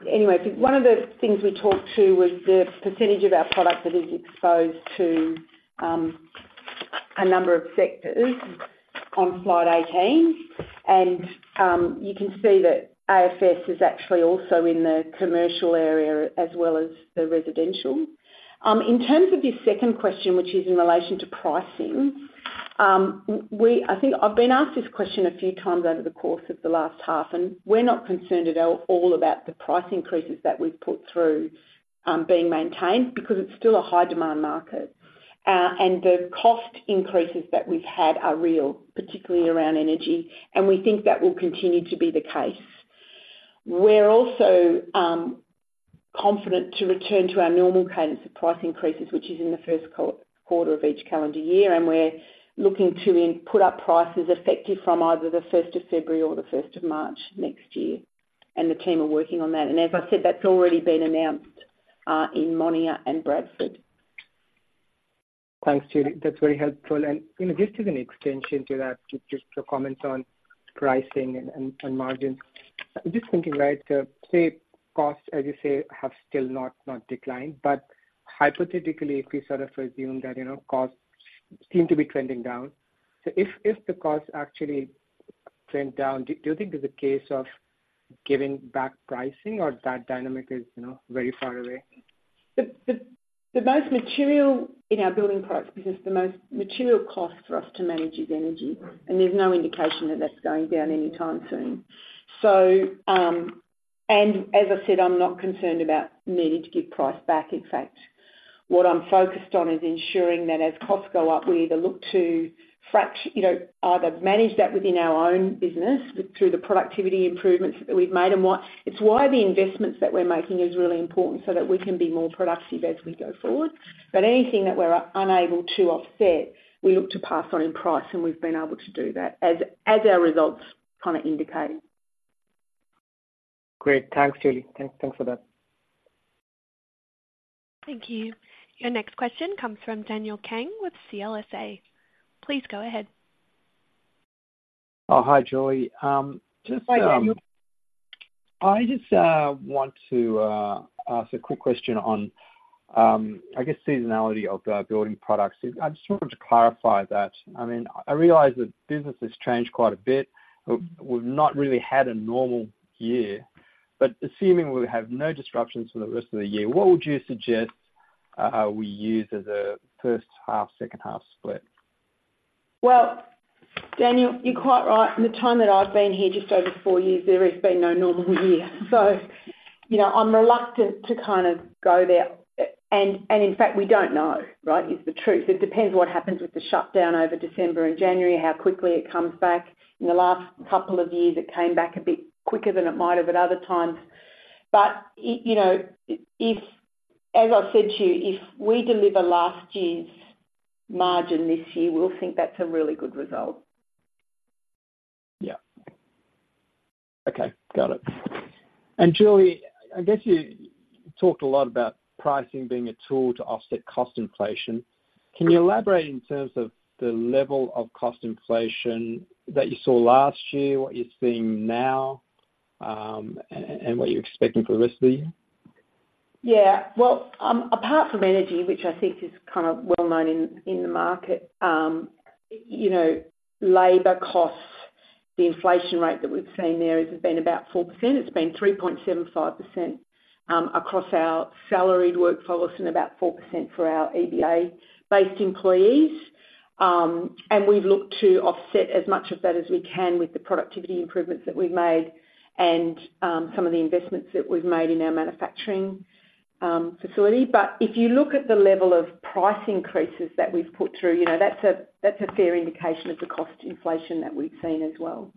one of the things we talked to was the percentage of our product that is exposed to a number of sectors on slide 18. And you can see that AFS is actually also in the commercial area as well as the residential. In terms of your second question, which is in relation to pricing, I think I've been asked this question a few times over the course of the last half, and we're not concerned at all about the price increases that we've put through being maintained because it's still a high-demand market. And the cost increases that we've had are real, particularly around energy, and we think that will continue to be the case. We're also confident to return to our normal cadence of price increases, which is in the first quarter of each calendar year, and we're looking to put up prices effective from either the 1st of February or the 1st of March next year. And the team are working on that. And as I said, that's already been announced in Monier and Bradford. Thanks, Julie. That's very helpful. And just as an extension to that, just your comments on pricing and margins, just thinking, right, so cost, as you say, have still not declined. But hypothetically, if we sort of assume that costs seem to be trending down, so if the costs actually trend down, do you think there's a case of giving back pricing, or that dynamic is very far away? In our building products business, the most material cost for us to manage is energy, and there's no indication that that's going down anytime soon. And as I said, I'm not concerned about needing to give price back. In fact, what I'm focused on is ensuring that as costs go up, we either look to either manage that within our own business through the productivity improvements that we've made. And it's why the investments that we're making are really important so that we can be more productive as we go forward. But anything that we're unable to offset, we look to pass on in price, and we've been able to do that, as our results kind of indicate. Great. Thanks, Julie. Thanks for that. Thank you. Your next question comes from Daniel Kang with CLSA. Please go ahead. Hi, Julie. Hi, Daniel. I just want to ask a quick question on, I guess, seasonality of building products. I just wanted to clarify that. I mean, I realize that business has changed quite a bit. We've not really had a normal year. But assuming we have no disruptions for the rest of the year, what would you suggest we use as a first-half, second-half split? Well, Daniel, you're quite right. In the time that I've been here, just over the four years, there has been no normal year. So I'm reluctant to kind of go there. And in fact, we don't know, right? Is the truth. It depends what happens with the shutdown over December and January, how quickly it comes back. In the last couple of years, it came back a bit quicker than it might have at other times. But as I said to you, if we deliver last year's margin this year, we'll think that's a really good result. Yeah. Okay. Got it. And Julie, I guess you talked a lot about pricing being a tool to offset cost inflation. Can you elaborate in terms of the level of cost inflation that you saw last year, what you're seeing now, and what you're expecting for the rest of the year? Yeah. Well, apart from energy, which I think is kind of well-known in the market, labor costs, the inflation rate that we've seen there has been about 4%. It's been 3.75% across our salaried workforce and about 4% for our EBA-based employees. And we've looked to offset as much of that as we can with the productivity improvements that we've made and some of the investments that we've made in our manufacturing facility. But if you look at the level of price increases that we've put through, that's a fair indication of the cost inflation that we've seen as well.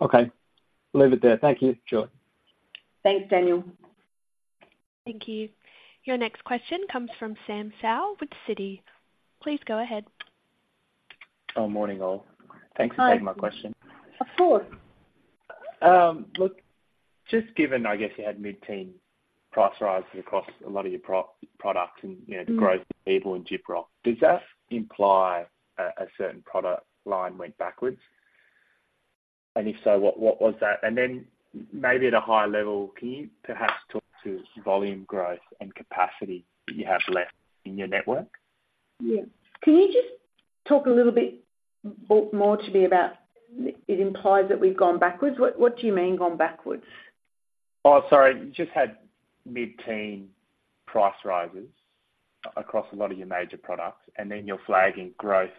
Okay. Leave it there. Thank you, Julie. Thanks, Daniel. Thank you. Your next question comes from Sam Seow with Citi. Please go ahead. Oh, morning, all. Thanks for taking my question. Of course. Look, just given, I guess, you had mid-teens price rises across a lot of your products and the growth in Hebel and Gyprock, does that imply a certain product line went backwards? And if so, what was that? And then maybe at a higher level, can you perhaps talk to volume growth and capacity that you have left in your network? Yeah. Can you just talk a little bit more to me about it implies that we've gone backwards? What do you mean gone backwards? Oh, sorry. You just had mid-teens price rises across a lot of your major products, and then you're flagging growth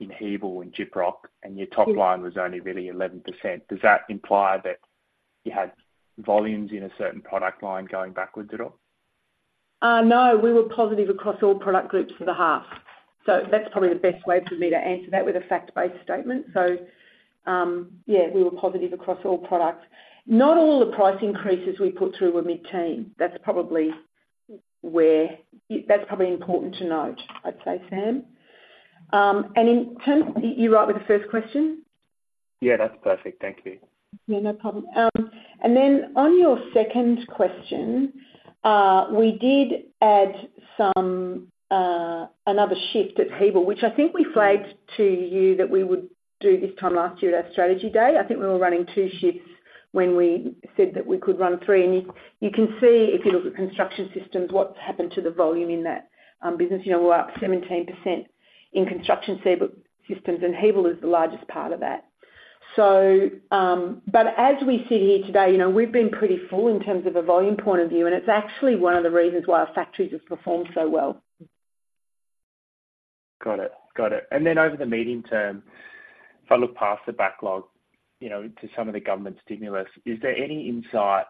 in Hebel and Gyprock, and your top line was only really 11%. Does that imply that you had volumes in a certain product line going backwards at all? No. We were positive across all product groups for the half. So that's probably the best way for me to answer that with a fact-based statement. So yeah, we were positive across all products. Not all the price increases we put through were mid-teens. That's probably important to note, I'd say, Sam. And you're right with the first question? Yeah. That's perfect. Thank you. Yeah. No problem. And then on your second question, we did add another shift at Hebel, which I think we flagged to you that we would do this time last year at our strategy day. I think we were running two shifts when we said that we could run three. And you can see, if you look at construction systems, what's happened to the volume in that business. We're up 17% in construction systems, and Hebel is the largest part of that. But as we sit here today, we've been pretty full in terms of a volume point of view, and it's actually one of the reasons why our factories have performed so well. Got it. Got it. Then over the medium term, if I look past the backlog to some of the government stimulus, is there any insight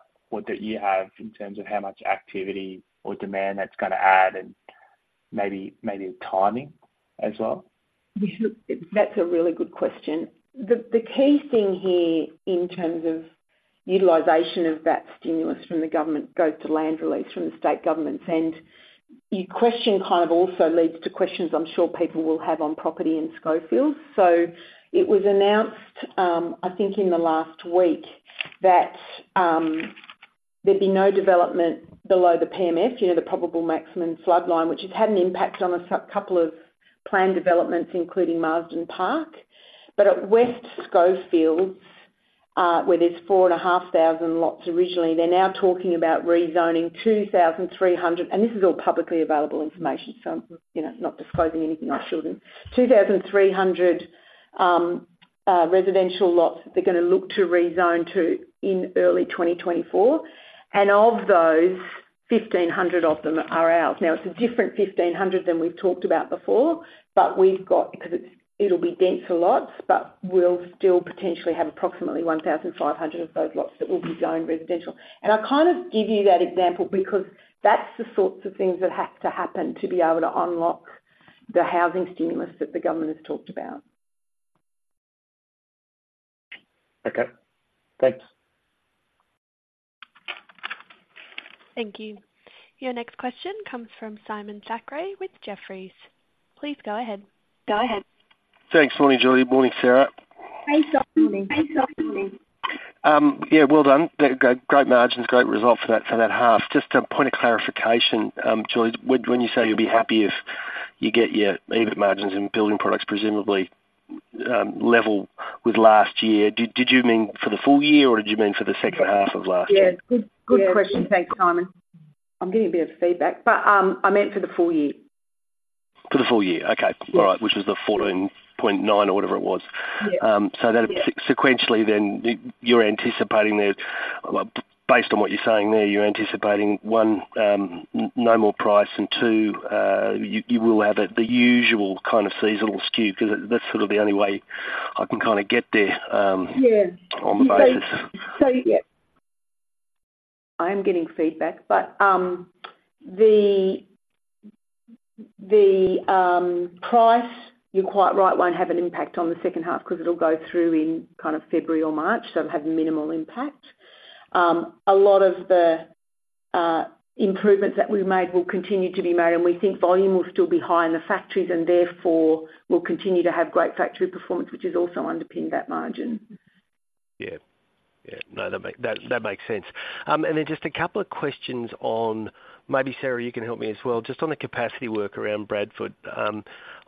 that you have in terms of how much activity or demand that's going to add and maybe timing as well? That's a really good question. The key thing here in terms of utilization of that stimulus from the government goes to land release from the state governments. Your question kind of also leads to questions I'm sure people will have on property and Schofields. It was announced, I think, in the last week that there'd be no development below the PMF, the probable maximum flood, which has had an impact on a couple of planned developments, including Marsden Park. But at West Schofields, where there's 4,500 lots originally, they're now talking about rezoning 2,300 and this is all publicly available information, so I'm not disclosing anything I shouldn't. 2,300 residential lots that they're going to look to rezone to in early 2024. And of those, 1,500 of them are ours. Now, it's a different 1,500 than we've talked about before, because it'll be dense lots, but we'll still potentially have approximately 1,500 of those lots that will be zoned residential. And I kind of give you that example because that's the sorts of things that have to happen to be able to unlock the housing stimulus that the government has talked about. Okay. Thanks. Thank you. Your next question comes from Simon Thackray with Jefferies. Please go ahead. Go ahead. Thanks. Morning, Julie. Morning, Sara. Hey, Sara. Morning. Hey, Sara.Morning. Yeah. Well done. Great margins, great result for that half. Just to point of clarification, Julie, when you say you'll be happy if you get your EBIT margins and building products presumably level with last year, did you mean for the full year, or did you mean for the second half of last year? Yeah. Good question. Thanks, Simon. I'm getting a bit of feedback, but I meant for the full year. For the full year. Okay. All right. Which was the 14.9 or whatever it was. So sequentially, then, you're anticipating there based on what you're saying there, you're anticipating, one, no more price, and two, you will have the usual kind of seasonal skew because that's sort of the only way I can kind of get there on the basis. So yeah. I am getting feedback. But the price, you're quite right, won't have an impact on the second half because it'll go through in kind of February or March, so it'll have minimal impact. A lot of the improvements that we've made will continue to be made, and we think volume will still be high in the factories, and therefore, we'll continue to have great factory performance, which is also underpinned that margin. Yeah. Yeah. No, that makes sense. And then just a couple of questions on maybe, Sara, you can help me as well, just on the capacity work around Bradford. I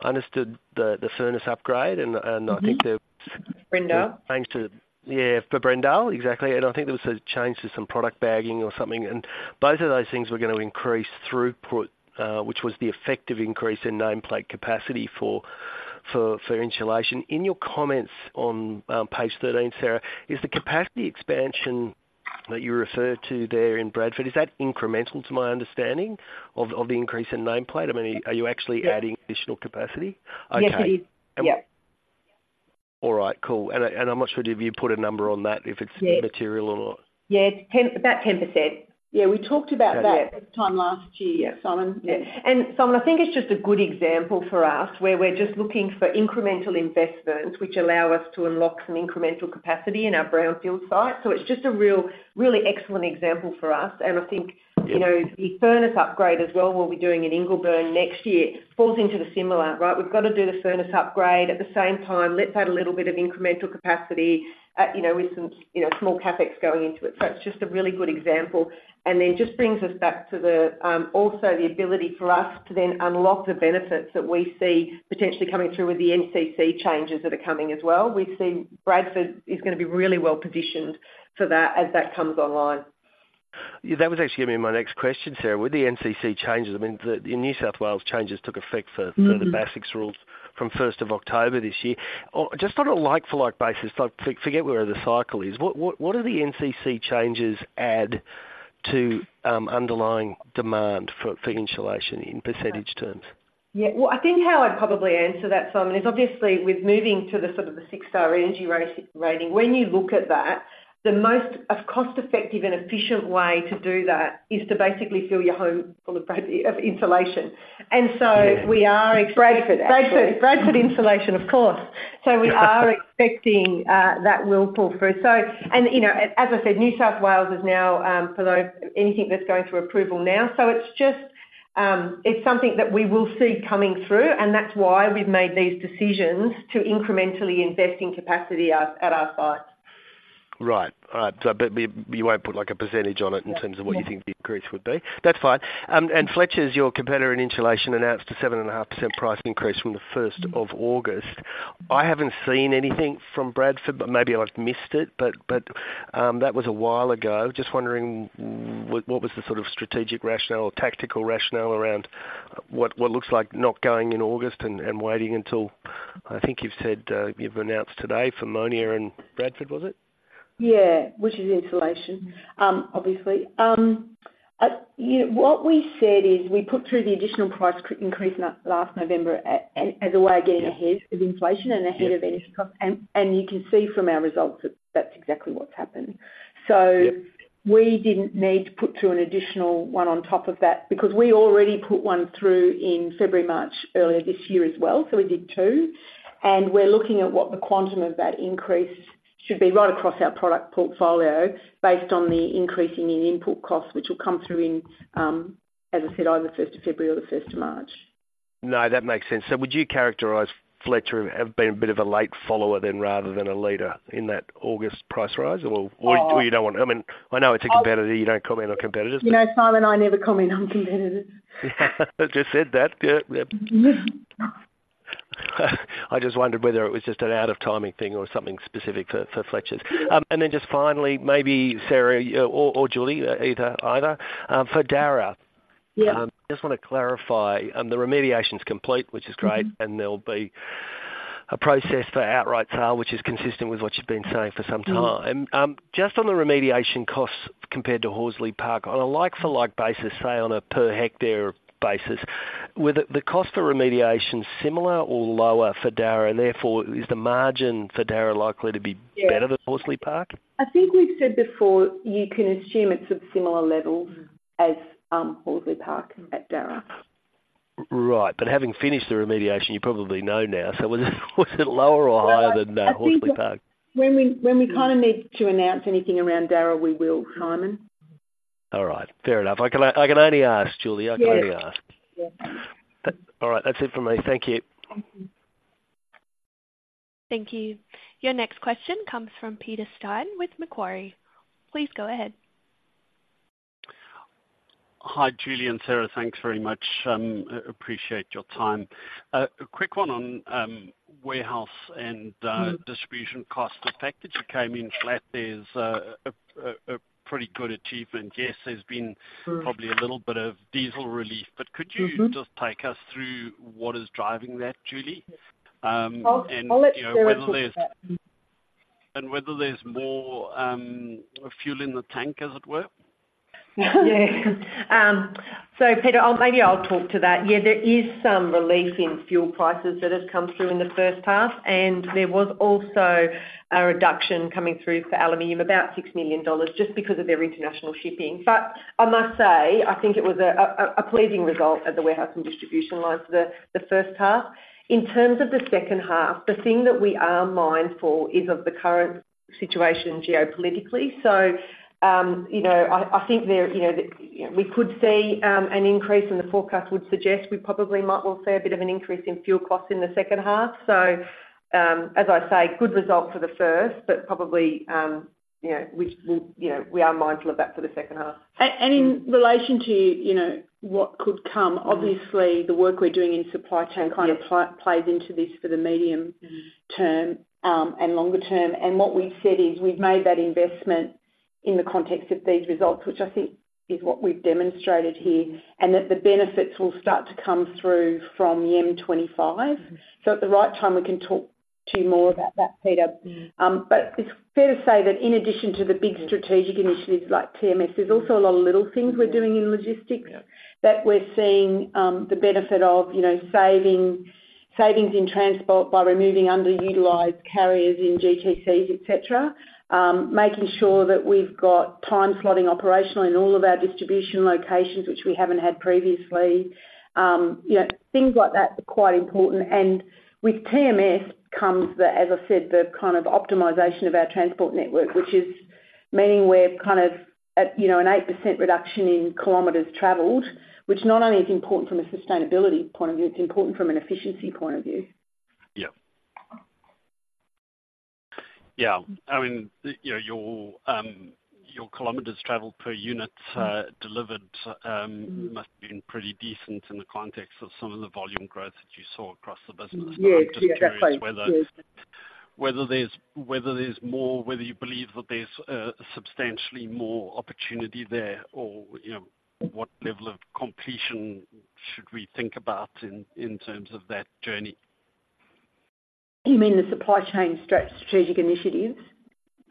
understood the furnace upgrade, and I think there was a change to yeah, for Brendale. Exactly. And I think there was a change to some product bagging or something. And both of those things were going to increase throughput, which was the effective increase in nameplate capacity for insulation. In your comments on page 13, Sara, is the capacity expansion that you referred to there in Bradford, is that incremental to my understanding of the increase in nameplate? I mean, are you actually adding additional capacity? Yes, it is. Yep. All right. Cool. And I'm not sure if you put a number on that, if it's material or not. Yeah. It's about 10%. Yeah. We talked about that this time last year, Simon. And Simon, I think it's just a good example for us where we're just looking for incremental investments which allow us to unlock some incremental capacity in our brownfield site. So it's just a really excellent example for us. And I think the furnace upgrade as well, what we're doing in Ingleburn next year, falls into the similar, right? We've got to do the furnace upgrade. At the same time, let's add a little bit of incremental capacity with some small CAPEX going into it. So it's just a really good example. And then just brings us back to also the ability for us to then unlock the benefits that we see potentially coming through with the NCC changes that are coming as well. We see Bradford is going to be really well-positioned for that as that comes online. That was actually going to be my next question, Sara. With the NCC changes, I mean, in New South Wales, changes took effect for the BASICS rules from 1st of October this year. Just on a like-for-like basis, forget where the cycle is, what do the NCC changes add to underlying demand for insulation in percentage terms? Yeah. Well, I think how I'd probably answer that, Simon, is obviously with moving to sort of the six-star energy rating, when you look at that, the most cost-effective and efficient way to do that is to basically fill your home full of insulation. And so we are expecting Bradford, actually. Bradford insulation, of course. So we are expecting that will pull through. And as I said, New South Wales is now, for anything that's going through approval now. So it's something that we will see coming through, and that's why we've made these decisions to incrementally invest in capacity at our sites. Right. All right. So you won't put a percentage on it in terms of what you think the increase would be? That's fine. And Fletchers, your competitor in insulation, announced a 7.5% price increase from the 1st of August. I haven't seen anything from Bradford, but maybe I've missed it, but that was a while ago. Just wondering, what was the sort of strategic rationale or tactical rationale around what looks like not going in August and waiting until I think you've said you've announced today for Monier and Bradford, was it? Yeah, which is insulation, obviously. What we said is we put through the additional price increase last November as a way of getting ahead of inflation and ahead of energy costs. And you can see from our results that that's exactly what's happened. So we didn't need to put through an additional one on top of that because we already put one through in February, March earlier this year as well. So we did two. And we're looking at what the quantum of that increase should be right across our product portfolio based on the increasing in input costs, which will come through in, as I said, either 1st of February or the 1st of March. No, that makes sense. So would you characterize Fletchers as being a bit of a late follower then rather than a leader in that August price rise, or you don't want to? I mean, I know it's a competitor. You don't comment on competitors. Simon, I never comment on competitors. Just said that. Yeah. Yeah. I just wondered whether it was just an out-of-timing thing or something specific for Fletchers. And then just finally, maybe, Sara or Julie, either, for Darra, I just want to clarify. The remediation's complete, which is great, and there'll be a process for outright sale, which is consistent with what you've been saying for some time. Just on the remediation costs compared to Horsley Park, on a like-for-like basis, say on a per-hectare basis, were the costs for remediation similar or lower for Darra, and therefore, is the margin for Darra likely to be better than Horsley Park? I think we've said before you can assume it's at similar levels as Horsley Park at Darra. Right. But having finished the remediation, you probably know now. So was it lower or higher than Horsley Park? I think when we kind of need to announce anything around Darra, we will, Simon. All right. Fair enough. I can only ask, Julie. I can only ask. All right. That's it from me. Thank you. Thank you. Your next question comes from Peter Steyn with Macquarie.Please go ahead. Hi, Julie and Sara. Thanks very much. Appreciate your time. A quick one on warehouse and distribution costs. The fact that you came in flat, there's a pretty good achievement. Yes, there's been probably a little bit of diesel relief, but could you just take us through what is driving that, Julie? And whether there's more fuel in the tank, as it were? Yeah. So Peter, maybe I'll talk to that. Yeah, there is some relief in fuel prices that has come through in the first half, and there was also a reduction coming through for aluminium, about 6 million dollars, just because of their international shipping. But I must say, I think it was a pleasing result at the warehouse and distribution lines for the first half. In terms of the second half, the thing that we are mindful is of the current situation geopolitically. So I think we could see an increase, and the forecast would suggest we probably might well see a bit of an increase in fuel costs in the second half. So as I say, good result for the first, but probably we are mindful of that for the second half. And in relation to what could come, obviously, the work we're doing in supply chain kind of plays into this for the medium term and longer term. And what we've said is we've made that investment in the context of these results, which I think is what we've demonstrated here, and that the benefits will start to come through from YEM25. So at the right time, we can talk to you more about that, Peter. But it's fair to say that in addition to the big strategic initiatives like TMS, there's also a lot of little things we're doing in logistics that we're seeing the benefit of savings in transport by removing underutilised carriers in GTCs, etc., making sure that we've got time slotting operational in all of our distribution locations, which we haven't had previously. Things like that are quite important. And with TMS comes, as I said, the kind of optimization of our transport network, which is meaning we're kind of at an 8% reduction in kilometers traveled, which not only is important from a sustainability point of view, it's important from an efficiency point of view. Yeah. Yeah. I mean, your kilometers traveled per unit delivered must have been pretty decent in the context of some of the volume growth that you saw across the business. I'm just curious whether there's more, whether you believe that there's substantially more opportunity there, or what level of completion should we think about in terms of that journey? You mean the supply chain strategic initiatives?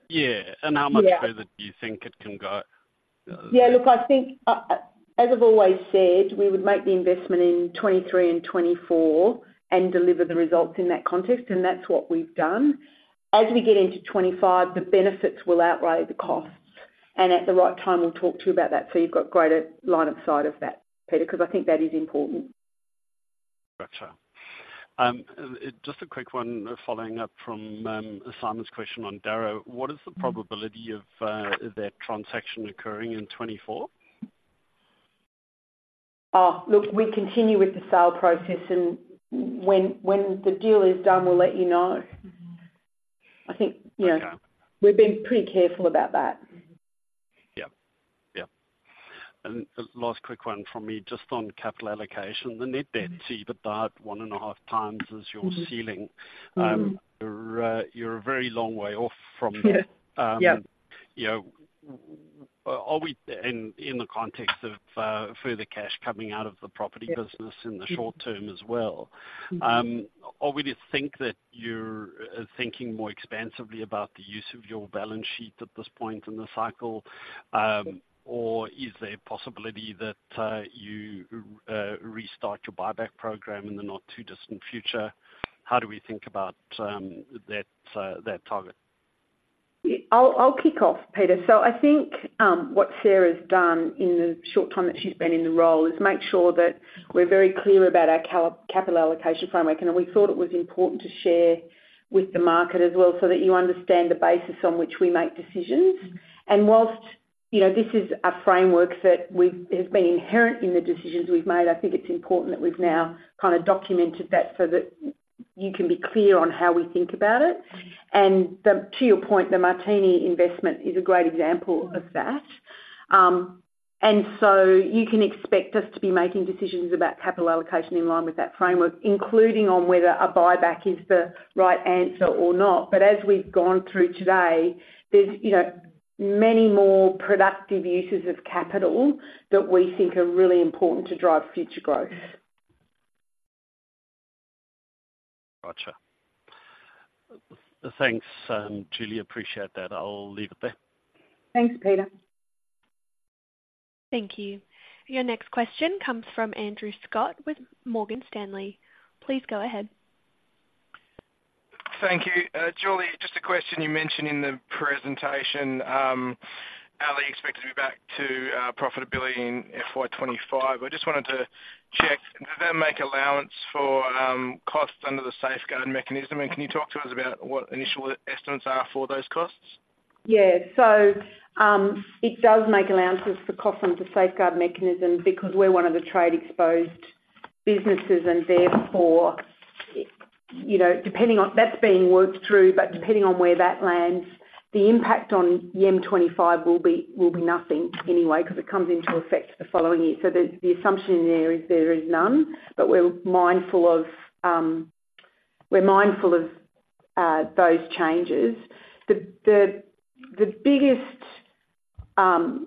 Yeah. And how much further do you think it can go? Yeah. Look, I think, as I've always said, we would make the investment in 2023 and 2024 and deliver the results in that context, and that's what we've done. As we get into 2025, the benefits will outweigh the costs. And at the right time, we'll talk to you about that. So you've got greater line of sight of that, Peter, because I think that is important. Gotcha. Just a quick one following up from Simon's question on Darra, what is the probability of that transaction occurring in 2024? Oh, look, we continue with the sale process, and when the deal is done, we'll let you know. I think we've been pretty careful about that. Yeah. Yeah. And last quick one from me, just on capital allocation, the net debt to EBITDA at 1.5 times is your ceiling. You're a very long way off from that. And in the context of further cash coming out of the property business in the short term as well, are we to think that you're thinking more expansively about the use of your balance sheet at this point in the cycle, or is there a possibility that you restart your buyback program in the not-too-distant future? How do we think about that target? I'll kick off, Peter.So I think what Sara's done in the short time that she's been in the role is make sure that we're very clear about our capital allocation framework. We thought it was important to share with the market as well so that you understand the basis on which we make decisions. Whilst this is a framework that has been inherent in the decisions we've made, I think it's important that we've now kind of documented that so that you can be clear on how we think about it. To your point, the Martini investment is a great example of that. So you can expect us to be making decisions about capital allocation in line with that framework, including on whether a buyback is the right answer or not. But as we've gone through today, there's many more productive uses of capital that we think are really important to drive future growth. Gotcha. Thanks, Julie. Appreciate that. I'll leave it there. Thanks, Peter. Thank you. Your next question comes from Andrew Scott with Morgan Stanley. Please go ahead. Thank you. Julie, just a question. You mentioned in the presentation, Alu expected to be back to profitability in FY25. I just wanted to check, does that make allowance for costs under the Safeguard Mechanism? And can you talk to us about what initial estimates are for those costs? Yeah. So it does make allowances for costs under the Safeguard Mechanism because we're one of the trade-exposed businesses, and therefore, depending on that's being worked through, but depending on where that lands, the impact on YEM25 will be nothing anyway because it comes into effect the following year. So the assumption in there is there is none, but we're mindful of those changes. The biggest,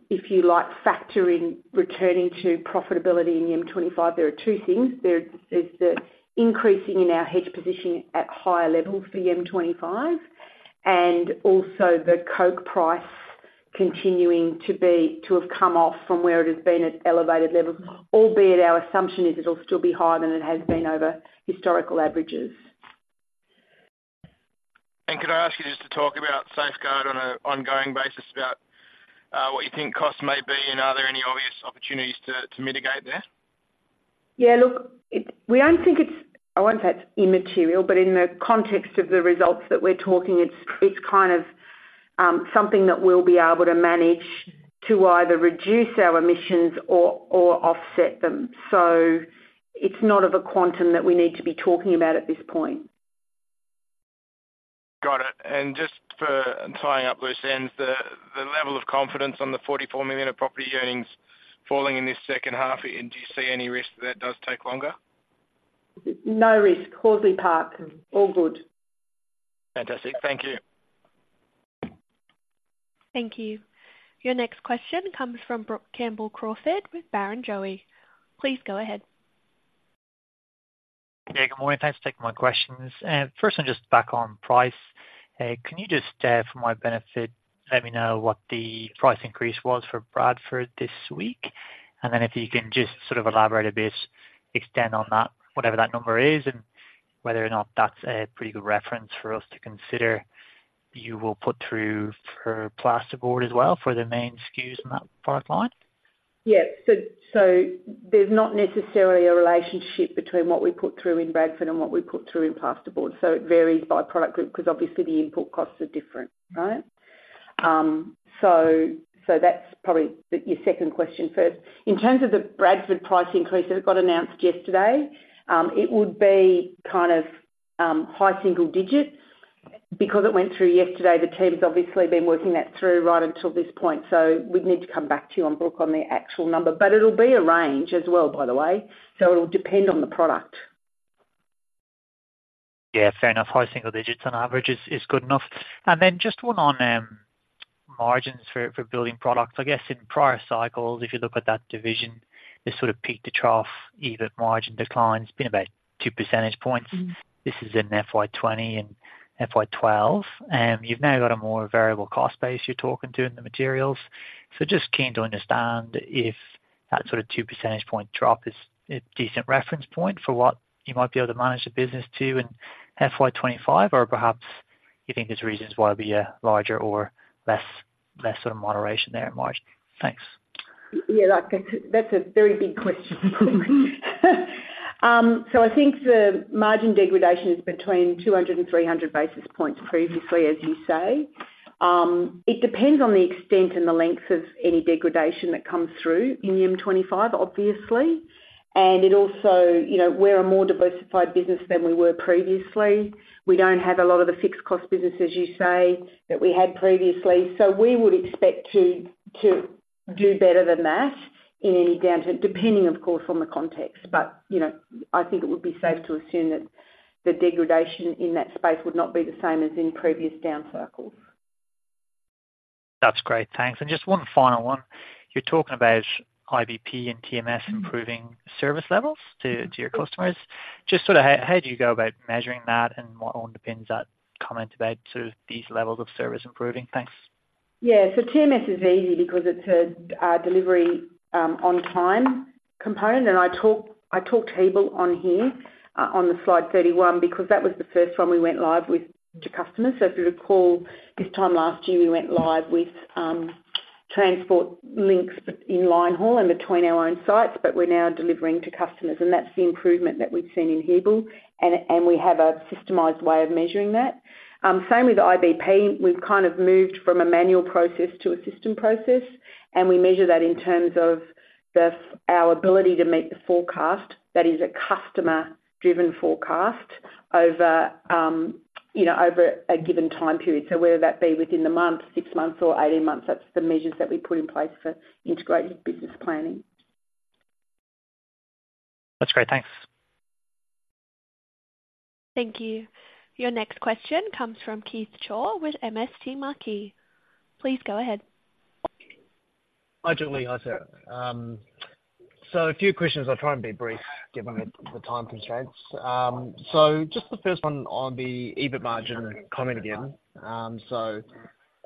if you like, factor in returning to profitability in YEM25, there are two things. There's the increasing in our hedge position at higher levels for YEM25 and also the coke price continuing to have come off from where it has been at elevated levels, albeit our assumption is it'll still be higher than it has been over historical averages. And could I ask you just to talk about safeguard on an ongoing basis, about what you think costs may be, and are there any obvious opportunities to mitigate there? Yeah. Look, we don't think it's I won't say it's immaterial, but in the context of the results that we're talking, it's kind of something that we'll be able to manage to either reduce our emissions or offset them. So it's not of a quantum that we need to be talking about at this point. Got it. And just for tying up loose ends, the level of confidence on the 44 million of property earnings falling in this second half, do you see any risk that that does take longer? No risk. Horsley Park, all good. Fantastic. Thank you. Thank you. Your next question comes from Brook Campbell-Crawford with Barrenjoey. Please go ahead. Yeah. Good morning. Thanks for taking my questions. First, I'm just back on price. Can you just, for my benefit, let me know what the price increase was for Bradford this week? Then if you can just sort of elaborate a bit, extend on whatever that number is and whether or not that's a pretty good reference for us to consider, you will put through for plasterboard as well for the main SKUs in that product line? Yes. So there's not necessarily a relationship between what we put through in Bradford and what we put through in plasterboard. So it varies by product group because obviously, the input costs are different, right? So that's probably your second question first. In terms of the Bradford price increase that it got announced yesterday, it would be kind of high single digit because it went through yesterday. The team's obviously been working that through right until this point. So we'd need to come back to you on Brook on the actual number. But it'll be a range as well, by the way. So it'll depend on the product. Yeah. Fair enough. High single digits on average is good enough. And then just one on margins for building products. I guess in prior cycles, if you look at that division, this sort of peak-to-trough EBIT margin decline's been about 2% points. This is in FY20 and FY12. You've now got a more variable cost base you're talking to in the materials. So just keen to understand if that sort of 2% point drop is a decent reference point for what you might be able to manage the business to in FY25, or perhaps you think there's reasons why there'll be a larger or less sort of moderation there in margin. Thanks. Yeah. That's a very big question. So I think the margin degradation is between 200 and 300 basis points previously, as you say.It depends on the extent and the length of any degradation that comes through in YEM25, obviously. And we're a more diversified business than we were previously. We don't have a lot of the fixed-cost business, as you say, that we had previously. So we would expect to do better than that in any downturn, depending, of course, on the context. But I think it would be safe to assume that the degradation in that space would not be the same as in previous downturns. That's great. Thanks. And just one final one. You're talking about IBP and TMS improving service levels to your customers. Just sort of how do you go about measuring that, and what all depends that comment about sort of these levels of service improving? Thanks. Yeah. So TMS is easy because it's a delivery-on-time component. And I talked to Hebel on here on the slide 31 because that was the first one we went live with to customers. So if you recall, this time last year, we went live with transport links in Linehaul and between our own sites, but we're now delivering to customers. And that's the improvement that we've seen in Hebel. And we have a systemized way of measuring that. Same with IBP. We've kind of moved from a manual process to a system process, and we measure that in terms of our ability to meet the forecast. That is a customer-driven forecast over a given time period. So whether that be within the month, six months, or 18 months, that's the measures that we put in place for integrated business planning. That's great. Thanks. Thank you. Your next question comes from Keith Chau with MST Marquee. Please go ahead. Hi, Julie.Hi, Sara. So a few questions. I'll try and be brief given the time constraints. So just the first one on the EBIT margin comment again. So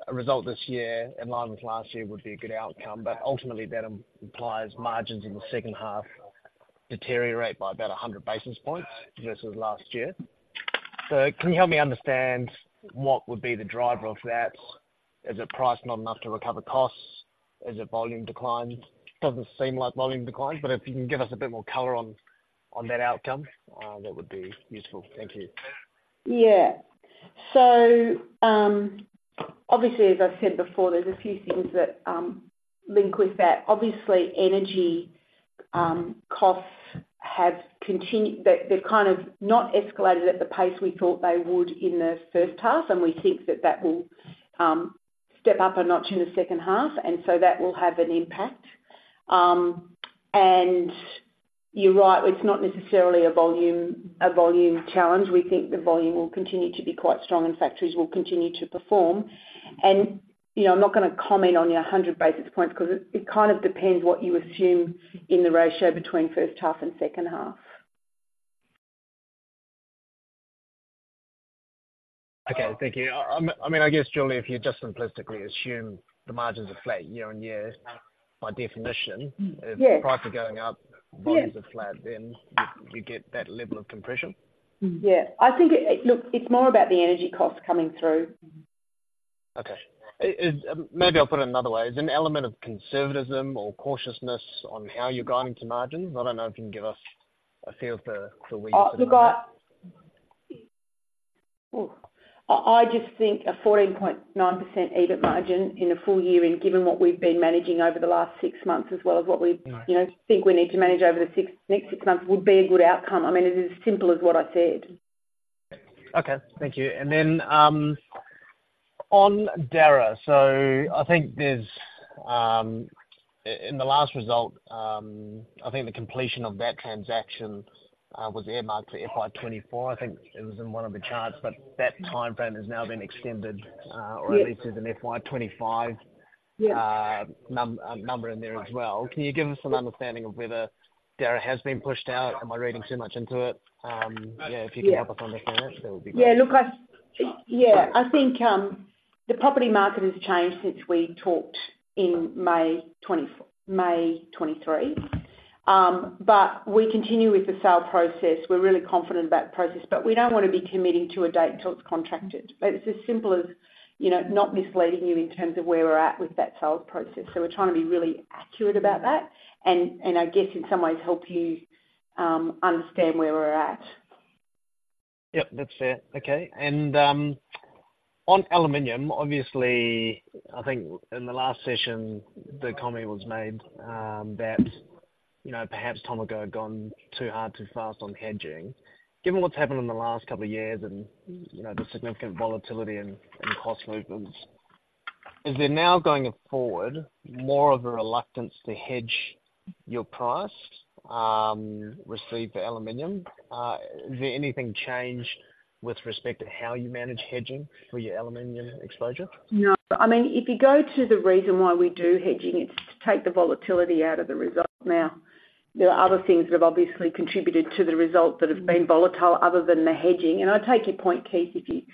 a result this year in line with last year would be a good outcome, but ultimately, that implies margins in the second half deteriorate by about 100 basis points versus last year. So can you help me understand what would be the driver of that? Is it price not enough to recover costs? Is it volume declines? It doesn't seem like volume declines, but if you can give us a bit more color on that outcome, that would be useful. Thank you. Yeah. So obviously, as I've said before, there's a few things that link with that. Obviously, energy costs, they've kind of not escalated at the pace we thought they would in the first half, and we think that that will step up a notch in the second half. And so that will have an impact. And you're right. It's not necessarily a volume challenge. We think the volume will continue to be quite strong, and factories will continue to perform. And I'm not going to comment on your 100 basis points because it kind of depends what you assume in the ratio between first half and second half. Okay. Thank you. I mean, I guess, Julie, if you just simplistically assume the margins are flat year-over-year by definition, if prices are going up, volumes are flat, then you get that level of compression? Yeah. Look, it's more about the energy costs coming through. Okay. Maybe I'll put it another way. Is there an element of conservatism or cautiousness on how you're guiding to margins? I don't know if you can give us a feel for where you're sitting on that. Oh, look, I just think a 14.9% EBIT margin in a full year, and given what we've been managing over the last six months as well as what we think we need to manage over the next six months, would be a good outcome. I mean, it is as simple as what I said. Okay. Thank you. And then on Darra, so I think in the last result, I think the completion of that transaction was earmarked for FY2024. I think it was in one of the charts, but that timeframe has now been extended, or at least there's an FY2025 number in there as well. Can you give us an understanding of whether Darra has been pushed out? Am I reading too much into it? Yeah. If you can help us understand it, that would be great. Yeah. Look, yeah. I think the property market has changed since we talked in May 2023. But we continue with the sale process. We're really confident about the process, but we don't want to be committing to a date till it's contracted. It's as simple as not misleading you in terms of where we're at with that sales process. So we're trying to be really accurate about that and, I guess, in some ways, help you understand where we're at. Yep. That's fair. Okay. And on aluminum, obviously, I think in the last session, the comment was made that perhaps Tomago had gone too hard, too fast on hedging. Given what's happened in the last couple of years and the significant volatility and cost movements, is there now going forward more of a reluctance to hedge your price received for aluminum? Is there anything changed with respect to how you manage hedging for your aluminum exposure? No. I mean, if you go to the reason why we do hedging, it's to take the volatility out of the result now. There are other things that have obviously contributed to the result that have been volatile other than the hedging. I take your point, Keith, if you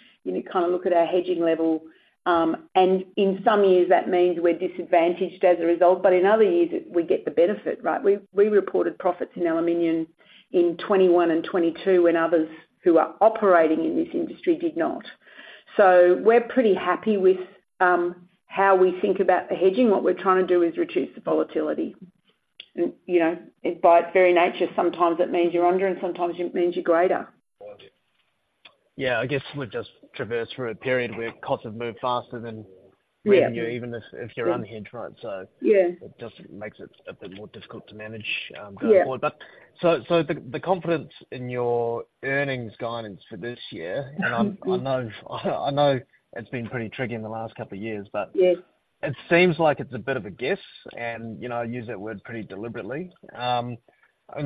kind of look at our hedging level. And in some years, that means we're disadvantaged as a result, but in other years, we get the benefit, right? We reported profits in aluminum in 2021 and 2022 when others who are operating in this industry did not. So we're pretty happy with how we think about the hedging. What we're trying to do is reduce the volatility. And by its very nature, sometimes it means you're under, and sometimes it means you're greater. Yeah. I guess we've just traversed through a period where costs have moved faster than revenue, even if you're unhedged, right? So it just makes it a bit more difficult to manage going forward. So the confidence in your earnings guidance for this year and I know it's been pretty tricky in the last couple of years, but it seems like it's a bit of a guess, and I use that word pretty deliberately. And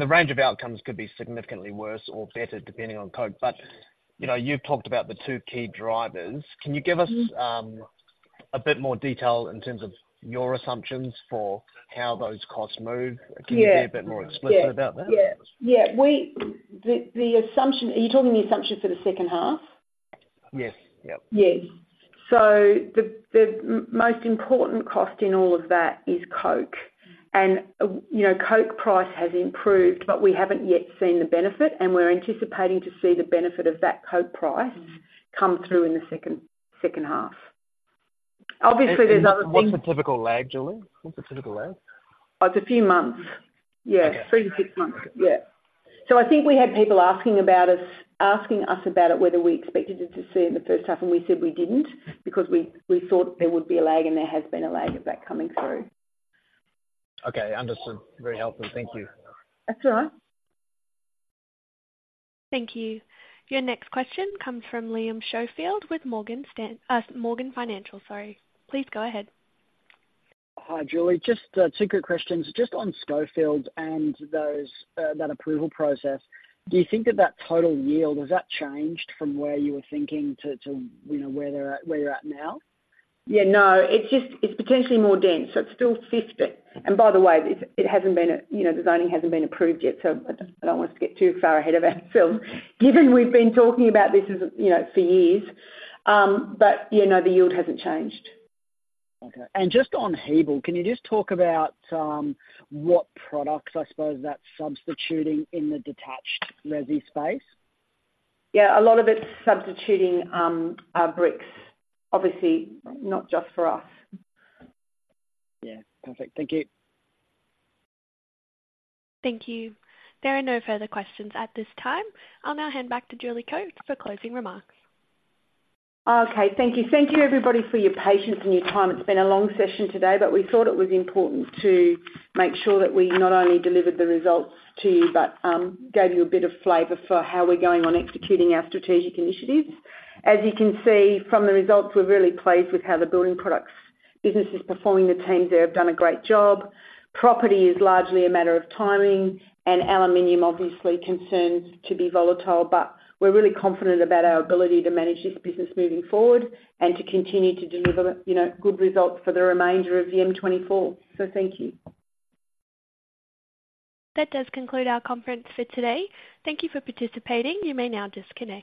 the range of outcomes could be significantly worse or better depending on coke. But you've talked about the two key drivers. Can you give us a bit more detail in terms of your assumptions for how those costs move? Can you be a bit more explicit about that? Yeah. Yeah. Yeah. Are you talking the assumption for the second half? Yes. Yep. Yes. So the most important cost in all of that is coke. And coke price has improved, but we haven't yet seen the benefit, and we're anticipating to see the benefit of that coke price come through in the second half. Obviously, there's other things. What's the typical lag, Julie? What's the typical lag? It's a few months. Yeah. 3-6 months. Yeah. So I think we had people asking us about it, whether we expected it to see in the first half, and we said we didn't because we thought there would be a lag, and there has been a lag of that coming through. Okay. Understood. Very helpful. Thank you. That's all right. Thank you. Your next question comes from Liam Schofield with Morgans Financial. Sorry. Please go ahead. Hi, Julie. Just two quick questions. Just on Schofields and that approval process, do you think that that total yield has that changed from where you were thinking to where you're at now? Yeah. No. It's potentially more dense. So it's still 50. And by the way, the zoning hasn't been approved yet, so I don't want us to get too far ahead of ourselves. Given we've been talking about this for years, but the yield hasn't changed. Okay. And just on Hebel, can you just talk about what products I suppose that's substituting in the detached resi space? Yeah. A lot of it's substituting bricks, obviously, not just for us. Yeah. Perfect. Thank you. Thank you. There are no further questions at this time. I'll now hand back to Julie Coates for closing remarks. Okay. Thank you. Thank you, everybody, for your patience and your time. It's been a long session today, but we thought it was important to make sure that we not only delivered the results to you but gave you a bit of flavor for how we're going on executing our strategic initiatives. As you can see from the results, we're really pleased with how the building products business is performing. The teams there have done a great job. Property is largely a matter of timing, and aluminium, obviously, continues to be volatile, but we're really confident about our ability to manage this business moving forward and to continue to deliver good results for the remainder of YEM24. So thank you. That does conclude our conference for today. Thank you for participating. You may now disconnect.